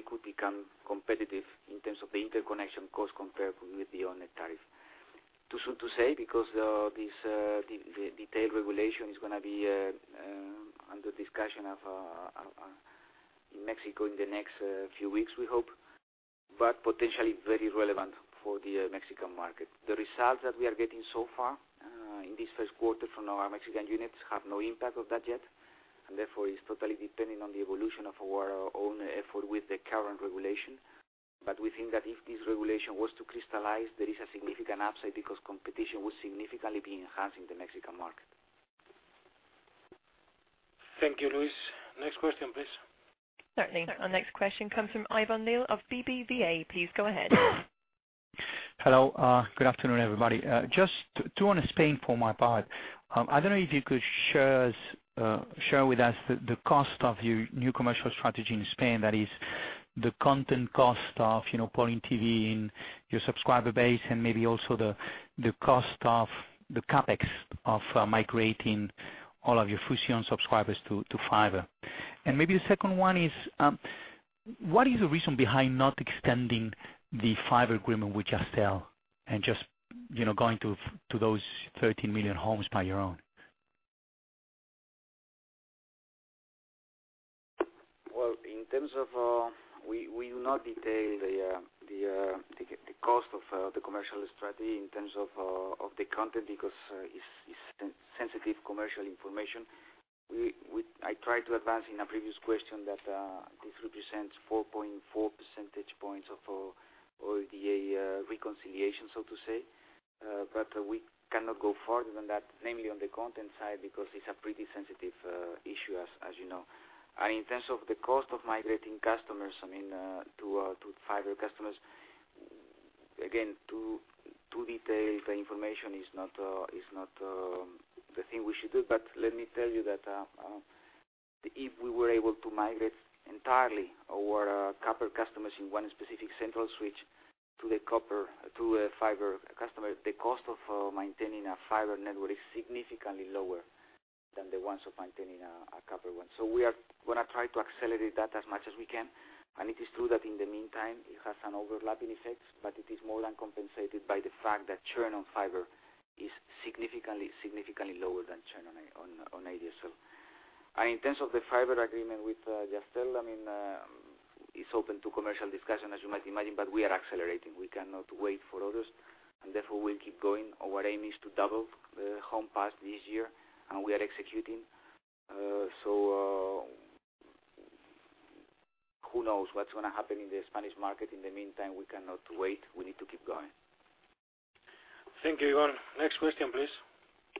could become competitive in terms of the interconnection cost compared with the on-net tariff. Too soon to say, because this detailed regulation is going to be under discussion in Mexico in the next few weeks, we hope. Potentially very relevant for the Mexican market. The results that we are getting so far in this first quarter from our Mexican units have no impact of that yet, therefore it's totally depending on the evolution of our own effort with the current regulation. We think that if this regulation was to crystallize, there is a significant upside because competition would significantly be enhancing the Mexican market. Thank you, Luis. Next question, please. Certainly. Our next question comes from Ivón Leal of BBVA. Please go ahead. Hello. Good afternoon, everybody. Just two on Spain for my part. I don't know if you could share with us the cost of your new commercial strategy in Spain. That is the content cost of pulling TV in your subscriber base and maybe also the cost of the CapEx of migrating all of your Fusión subscribers to fiber. Maybe the second one is, what is the reason behind not extending the fiber agreement with Jazztel and just going to those 13 million homes by your own? Well, we will not detail the cost of the commercial strategy in terms of the content, because it's sensitive commercial information. I tried to advance in a previous question that this represents 4.4 percentage points of OIBDA reconciliation, so to say. We cannot go further than that, mainly on the content side, because it's a pretty sensitive issue, as you know. In terms of the cost of migrating customers, I mean, to fiber customers, again, to detail the information is not the thing we should do. Let me tell you that if we were able to migrate entirely our copper customers in one specific central switch to a fiber customer, the cost of maintaining a fiber network is significantly lower than the ones of maintaining a copper one. We are going to try to accelerate that as much as we can. It is true that in the meantime, it has an overlapping effect, but it is more than compensated by the fact that churn on fiber is significantly lower than churn on xDSL. In terms of the fiber agreement with Jazztel, it is open to commercial discussion, as you might imagine, but we are accelerating. We cannot wait for others. Therefore we will keep going. Our aim is to double the home passed this year, and we are executing. Who knows what is going to happen in the Spanish market. In the meantime, we cannot wait. We need to keep going. Thank you, Ivón. Next question, please.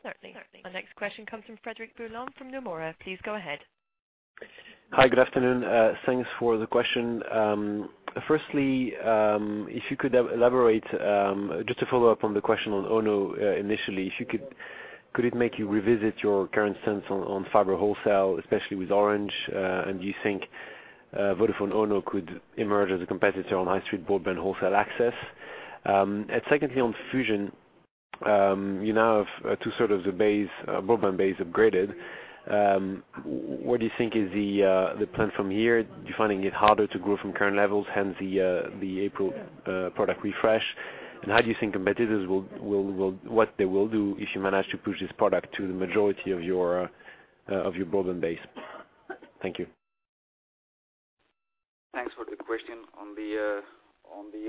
Certainly. Our next question comes from Frédéric Boulan from Nomura. Please go ahead. Hi. Good afternoon. Thanks for the question. Firstly, if you could elaborate, just to follow up on the question on Ono initially, could it make you revisit your current stance on fiber wholesale, especially with Orange? Do you think Vodafone Ono could emerge as a competitor on high-speed broadband wholesale access? Secondly, on Fusión, you now have two broadband base upgraded. What do you think is the plan from here? Do you finding it harder to grow from current levels, hence the April product refresh? How do you think competitors, what they will do if you manage to push this product to the majority of your broadband base? Thank you. Thanks for the question. On the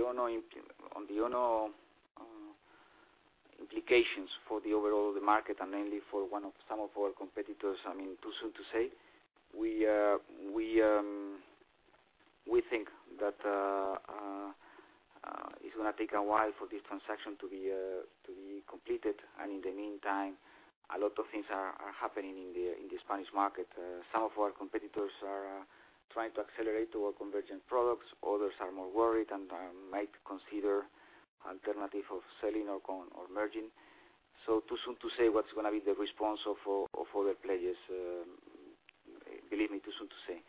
Ono implications for the overall of the market, mainly for some of our competitors, too soon to say. We think that it's going to take a while for this transaction to be completed. In the meantime, a lot of things are happening in the Spanish market. Some of our competitors are trying to accelerate toward convergent products. Others are more worried and might consider alternative of selling or merging. Too soon to say what's going to be the response of other players. Believe me, too soon to say.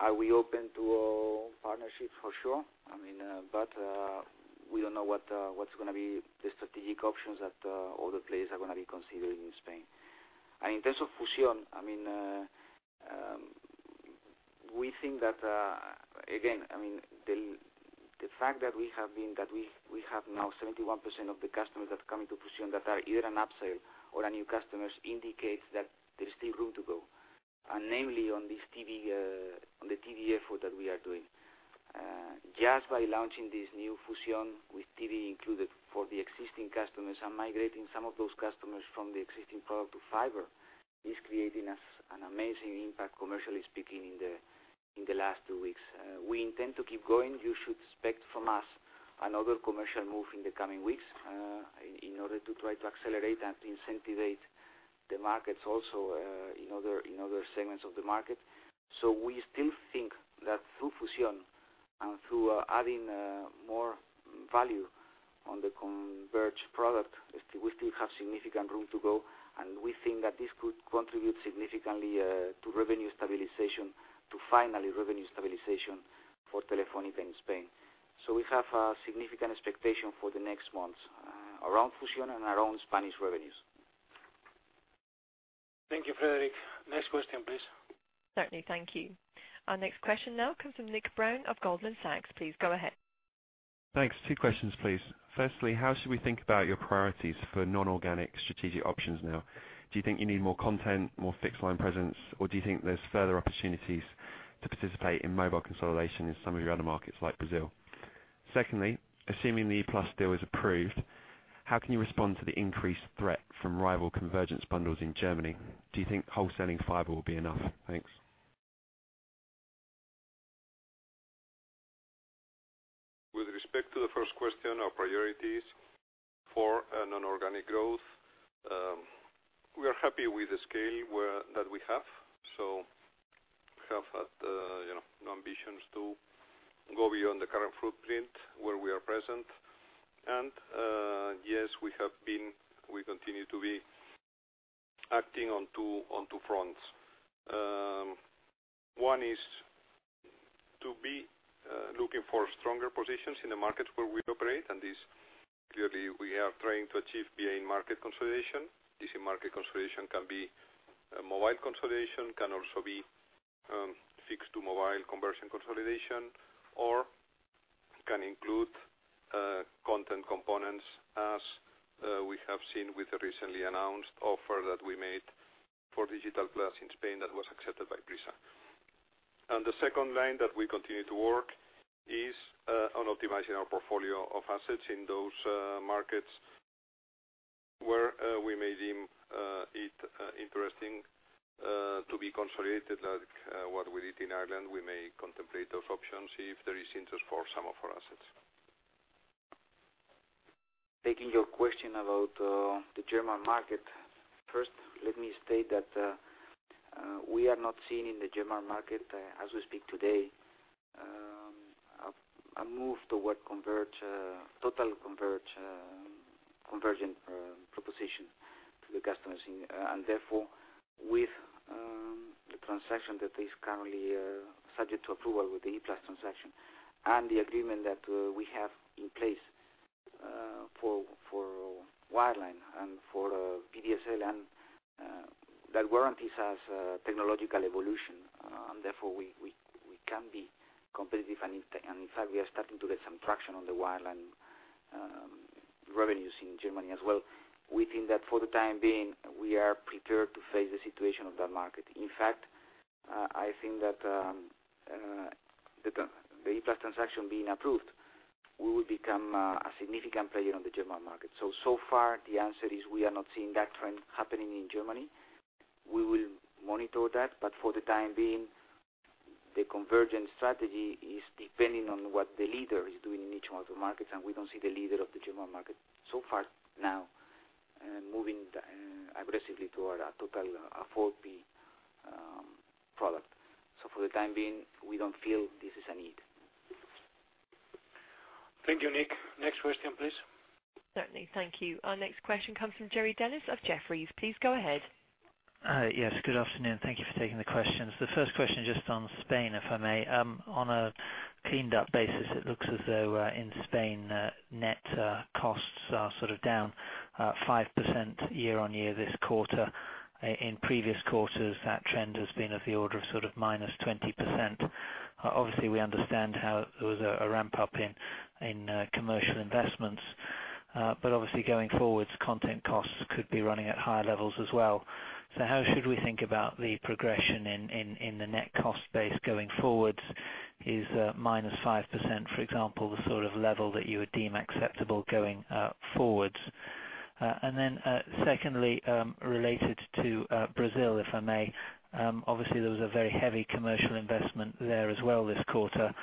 Are we open to a partnership? For sure. We don't know what's going to be the strategic options that other players are going to be considering in Spain. In terms of Fusión, we think that, again, the fact that we have now 71% of the customers that come into Fusión that are either an upsell or are new customers indicates that there's still room to go. Namely on the TV effort that we are doing. Just by launching this new Fusión with TV included for the existing customers and migrating some of those customers from the existing product to fiber is creating us an amazing impact, commercially speaking, in the last two weeks. We intend to keep going. You should expect from us another commercial move in the coming weeks in order to try to accelerate and to incentivate the markets also in other segments of the market. We still think that through Fusión and through adding more value on the converged product, we still have significant room to go, and we think that this could contribute significantly to revenue stabilization. Finally revenue stabilization for Telefónica in Spain. We have a significant expectation for the next months around Fusión and around Spanish revenues. Thank you, Frédéric. Next question, please. Certainly. Thank you. Our next question now comes from Nick Brown of Goldman Sachs. Please go ahead. Thanks. Two questions, please. Firstly, how should we think about your priorities for non-organic strategic options now? Do you think you need more content, more fixed line presence, or do you think there's further opportunities to participate in mobile consolidation in some of your other markets like Brazil? Secondly, assuming the E-Plus deal is approved, how can you respond to the increased threat from rival convergence bundles in Germany? Do you think wholesaling fiber will be enough? Thanks. With respect to the first question, our priorities for non-organic growth, we are happy with the scale that we have. We have no ambitions to go beyond the current footprint where we are present. Yes, we continue to be acting on two fronts. One is to be looking for stronger positions in the markets where we operate, and this clearly we are trying to achieve via market consolidation. This market consolidation can be mobile consolidation, can also be fixed to mobile conversion consolidation, or can include content components as we have seen with the recently announced offer that we made for Digital+ in Spain that was accepted by Prisa. The second line that we continue to work is on optimizing our portfolio of assets in those markets where we may deem it interesting to be consolidated, like what we did in Ireland. We may contemplate those options if there is interest for some of our assets. Taking your question about the German market. First, let me state that we are not seeing in the German market, as we speak today, a move to what total convergent proposition to the customers. With the transaction that is currently subject to approval with the E-Plus transaction and the agreement that we have in place for wireline and for VDSL, and that warranties as technological evolution. We can be competitive, and in fact, we are starting to get some traction on the wireline revenues in Germany as well. We think that for the time being, we are prepared to face the situation of that market. In fact, I think that the E-Plus transaction being approved, we will become a significant player on the German market. So far the answer is we are not seeing that trend happening in Germany. We will monitor that, for the time being, the convergent strategy is depending on what the leader is doing in each one of the markets, and we don't see the leader of the German market so far now moving aggressively toward a total 4P product. For the time being, we don't feel this is a need. Thank you, Nick. Next question, please. Certainly. Thank you. Our next question comes from Jerry Dellis of Jefferies. Please go ahead. Yes, good afternoon. Thank you for taking the questions. The first question is just on Spain, if I may. On a cleaned-up basis, it looks as though in Spain, net costs are down 5% year-over-year this quarter. In previous quarters, that trend has been of the order of minus 20%. Obviously, we understand how there was a ramp-up in commercial investments. Obviously, going forwards, content costs could be running at higher levels as well. How should we think about the progression in the net cost base going forwards? Is minus 5%, for example, the sort of level that you would deem acceptable going forwards? Secondly, related to Brazil, if I may. Obviously, there was a very heavy commercial investment there as well this quarter.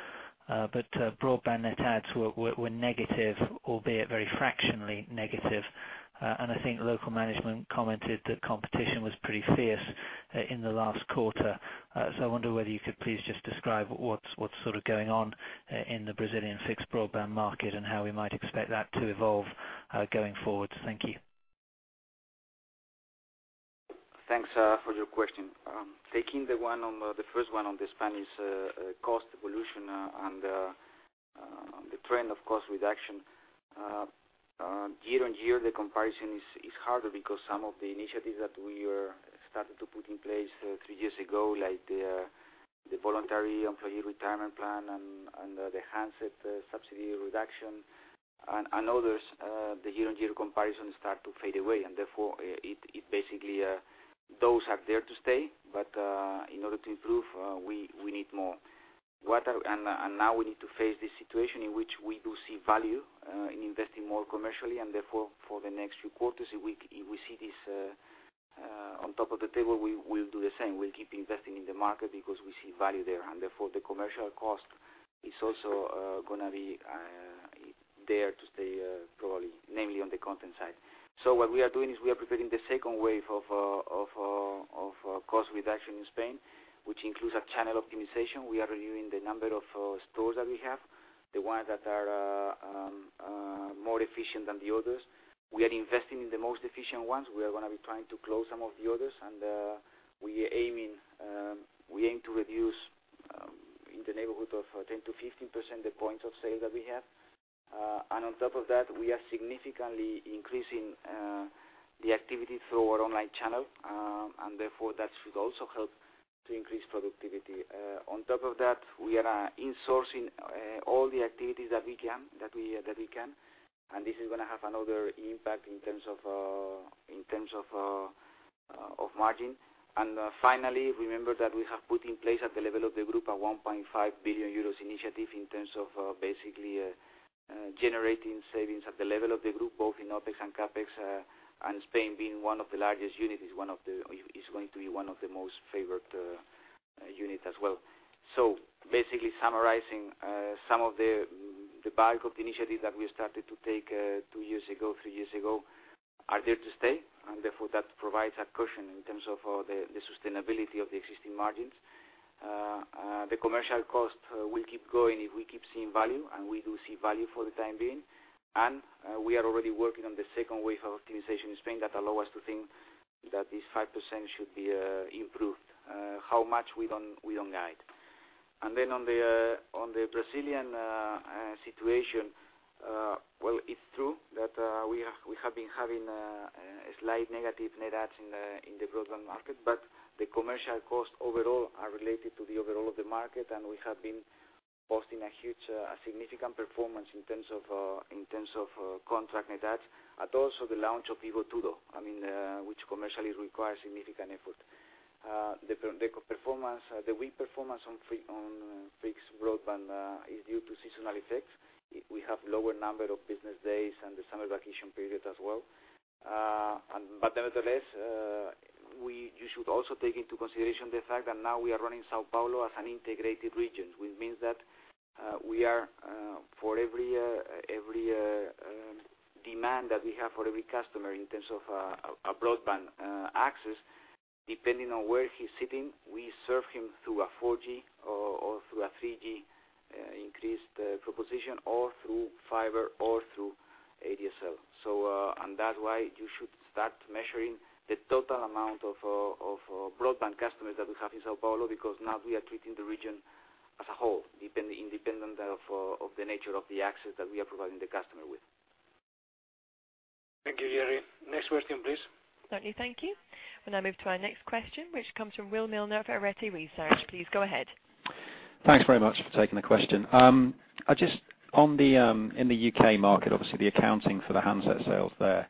Broadband net adds were negative, albeit very fractionally negative. I think local management commented that competition was pretty fierce in the last quarter. I wonder whether you could please just describe what's going on in the Brazilian fixed broadband market and how we might expect that to evolve going forward. Thank you. Thanks for your question. Taking the first one on the Spanish cost evolution and the trend of cost reduction. Year-over-year, the comparison is harder because some of the initiatives that we started to put in place three years ago, like the voluntary employee retirement plan and the handset subsidy reduction and others, the year-over-year comparison start to fade away. Basically, those are there to stay. In order to improve, we need more. Now we need to face this situation in which we do see value in investing more commercially, for the next few quarters, if we see this on top of the table, we'll do the same. We'll keep investing in the market because we see value there. The commercial cost is also going to be there to stay probably, namely on the content side. What we are doing is we are preparing the second wave of cost reduction in Spain, which includes a channel optimization. We are reviewing the number of stores that we have, the ones that are more efficient than the others. We are investing in the most efficient ones. We are going to be trying to close some of the others, we aim to reduce in the neighborhood of 10%-15% the points of sale that we have. On top of that, we are significantly increasing the activity through our online channel, that should also help to increase productivity. On top of that, we are insourcing all the activities that we can, this is going to have another impact in terms of margin. Finally, remember that we have put in place at the level of the group a 1.5 billion euros initiative in terms of basically generating savings at the level of the group, both in OpEx and CapEx, and Spain, being one of the largest units, is going to be one of the most favored units as well. Basically summarizing, some of the bulk of the initiatives that we started to take two years ago, three years ago, are there to stay, and therefore that provides a cushion in terms of the sustainability of the existing margins. The commercial cost will keep going if we keep seeing value, and we do see value for the time being. We are already working on the second wave of optimization in Spain that allow us to think that this 5% should be improved. How much, we don't guide. On the Brazilian situation, well, it's true that we have been having a slight negative net adds in the broadband market, but the commercial costs overall are related to the overall of the market, and we have been posting a significant performance in terms of contract net adds, and also the launch of Vivo Tudo which commercially requires significant effort. The weak performance on fixed broadband is due to seasonal effects. We have lower number of business days and the summer vacation period as well. Nevertheless, you should also take into consideration the fact that now we are running São Paulo as an integrated region, which means that for every demand that we have for every customer in terms of a broadband access, depending on where he's sitting, we serve him through a 4G or through a 3G increased proposition or through fiber or through ADSL. That's why you should start measuring the total amount of broadband customers that we have in São Paulo, because now we are treating the region as a whole, independent of the nature of the access that we are providing the customer with. Thank you, Jerry. Next question, please. Certainly. Thank you. We'll now move to our next question, which comes from William Milner of Arete Research. Please go ahead. Thanks very much for taking the question. Just in the U.K. market, obviously the accounting for the handset sales there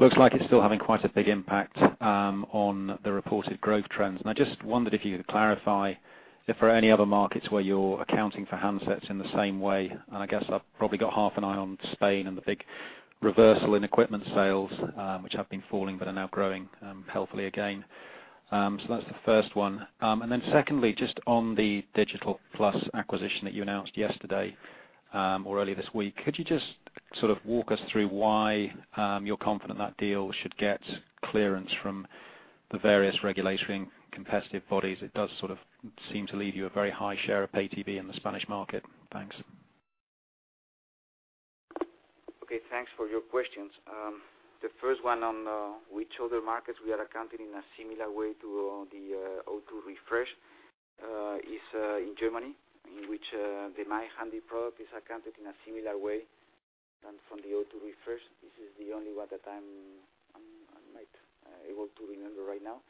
looks like it's still having quite a big impact on the reported growth trends. I just wondered if you could clarify if there are any other markets where you're accounting for handsets in the same way. I guess I've probably got half an eye on Spain and the big reversal in equipment sales, which have been falling but are now growing healthily again. That's the first one. Secondly, just on the Digital+ acquisition that you announced yesterday or earlier this week, could you just walk us through why you're confident that deal should get clearance from the various regulatory and competitive bodies? It does seem to leave you a very high share of Pay TV in the Spanish market. Thanks. Okay, thanks for your questions. The first one on which other markets we are accounting in a similar way to the O2 Refresh is in Germany, in which the My Handy product is accounted in a similar way than from the O2 Refresh. This is the only one that I'm able to remember right now.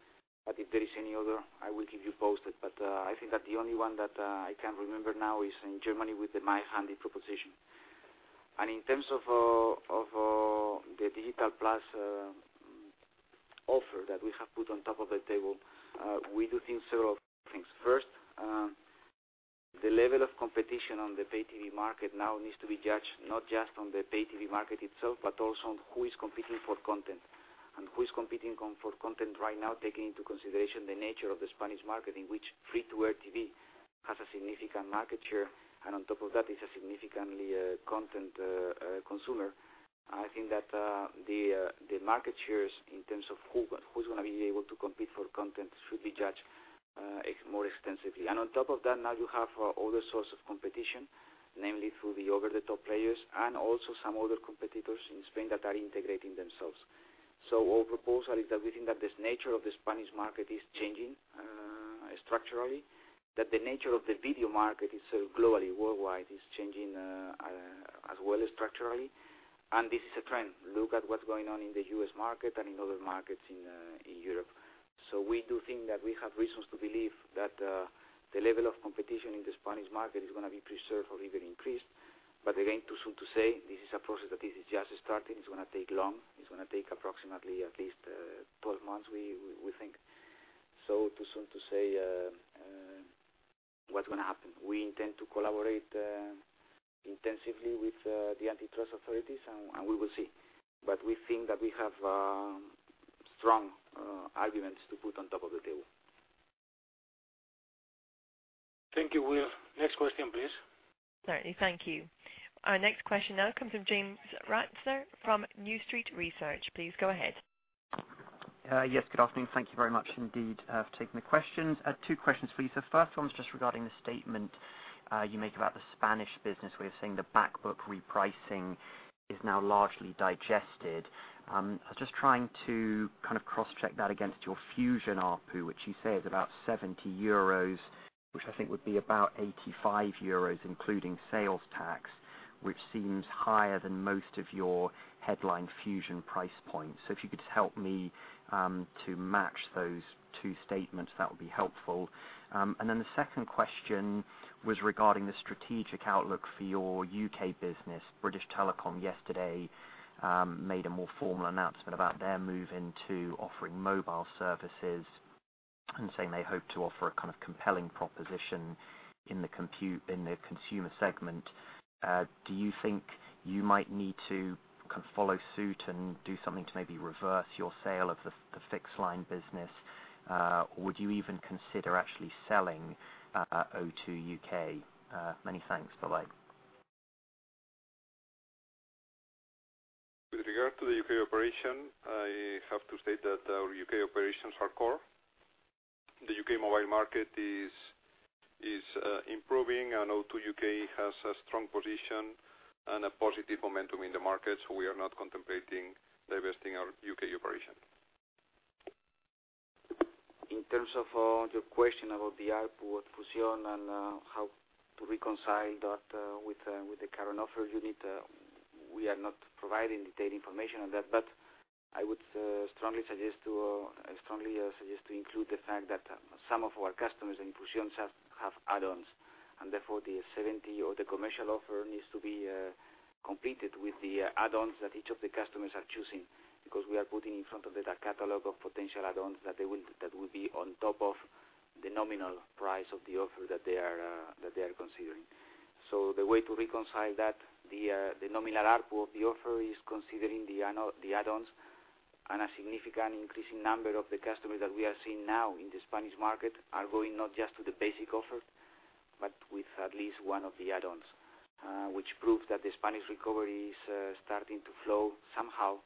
If there is any other, I will keep you posted. I think that the only one that I can remember now is in Germany with the o2 My Handy proposition. In terms of the Digital+ offer that we have put on top of the table, we do think several things. First, the level of competition on the Pay TV market now needs to be judged not just on the Pay TV market itself, but also on who is competing for content. Who is competing for content right now, taking into consideration the nature of the Spanish market, in which free-to-air TV has a significant market share, and on top of that is a significant content consumer. I think that the market shares in terms of who's going to be able to compete for content should be judged more extensively. On top of that, now you have other source of competition, namely through the over-the-top players and also some other competitors in Spain that are integrating themselves. Our proposal is that we think that the nature of the Spanish market is changing structurally, that the nature of the video market globally, worldwide, is changing as well structurally, and this is a trend. Look at what's going on in the U.S. market and in other markets in Europe. We do think that we have reasons to believe that the level of competition in the Spanish market is going to be preserved or even increased. Again, too soon to say. This is a process that is just starting. It's going to take long. It's going to take approximately at least 12 months, we think. Too soon to say what's going to happen. We intend to collaborate intensively with the antitrust authorities, and we will see. We think that we have strong arguments to put on top of the table. Thank you, Will. Next question, please. Certainly. Thank you. Our next question now comes from James Ratzer from New Street Research. Please go ahead. Yes. Good afternoon. Thank you very much indeed for taking the questions. Two questions, please. The first one is just regarding the statement you make about the Spanish business, where you're saying the back book repricing is now largely digested. I was just trying to cross-check that against your Fusión ARPU, which you say is about 70 euros, which I think would be about 85 euros, including sales tax, which seems higher than most of your headline Fusión price points. If you could just help me to match those two statements, that would be helpful. The second question was regarding the strategic outlook for your U.K. business. British Telecom yesterday made a more formal announcement about their move into offering mobile services and saying they hope to offer a compelling proposition in the consumer segment. Do you think you might need to follow suit and do something to maybe reverse your sale of the fixed line business? Would you even consider actually selling O2 UK? Many thanks. Bye-bye. With regard to the U.K. operation, I have to state that our U.K. operations are core. The U.K. mobile market is improving, and O2 UK has a strong position and a positive momentum in the market, so we are not contemplating divesting our U.K. operation. In terms of your question about the ARPU at Fusión and how to reconcile that with the current offer you need, we are not providing detailed information on that. I would strongly suggest to include the fact that some of our customers in Fusión have add-ons, and therefore the 70 or the commercial offer needs to be completed with the add-ons that each of the customers are choosing. We are putting in front of them a catalog of potential add-ons that will be on top of the nominal price of the offer that they are considering. The way to reconcile that, the nominal ARPU of the offer, is considering the add-ons. A significant increasing number of the customers that we are seeing now in the Spanish market are going not just with the basic offer, but with at least one of the add-ons, which proves that the Spanish recovery is starting to flow somehow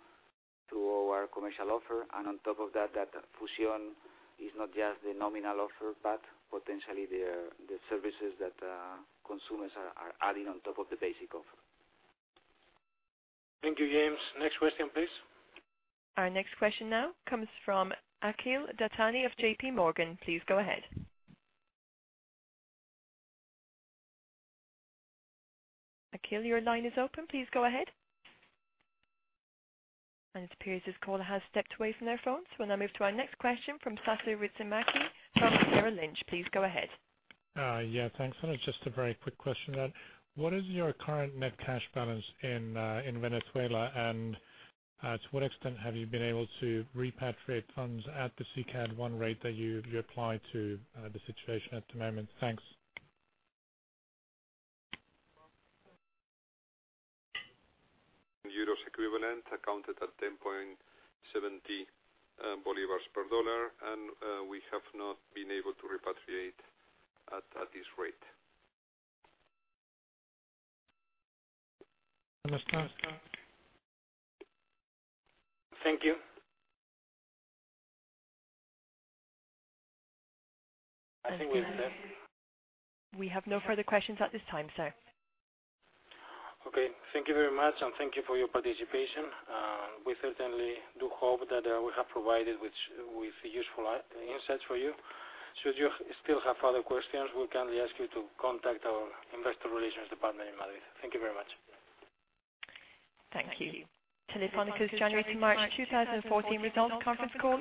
through our commercial offer. On top of that Fusión is not just the nominal offer, but potentially the services that consumers are adding on top of the basic offer. Thank you, James Ratzer. Next question, please. Our next question now comes from Akhil Dattani of JPMorgan. Please go ahead. Akhil, your line is open. Please go ahead. It appears this caller has stepped away from their phone. We will now move to our next question from Sasu Ristimäki from Bernard Lynch. Please go ahead. Thanks. Just a very quick question. What is your current net cash balance in Venezuela, and to what extent have you been able to repatriate funds at the SICAD I rate that you apply to the situation at the moment? Thanks. EUR equivalent accounted at 10.70 bolivars per USD. We have not been able to repatriate at this rate. Understood. Thank you. I think we have next. We have no further questions at this time, sir. Okay. Thank you very much, and thank you for your participation. We certainly do hope that we have provided with useful insights for you. Should you still have further questions, we kindly ask you to contact our investor relations department in Madrid. Thank you very much. Thank you. Telefónica's January to March 2014 results conference call.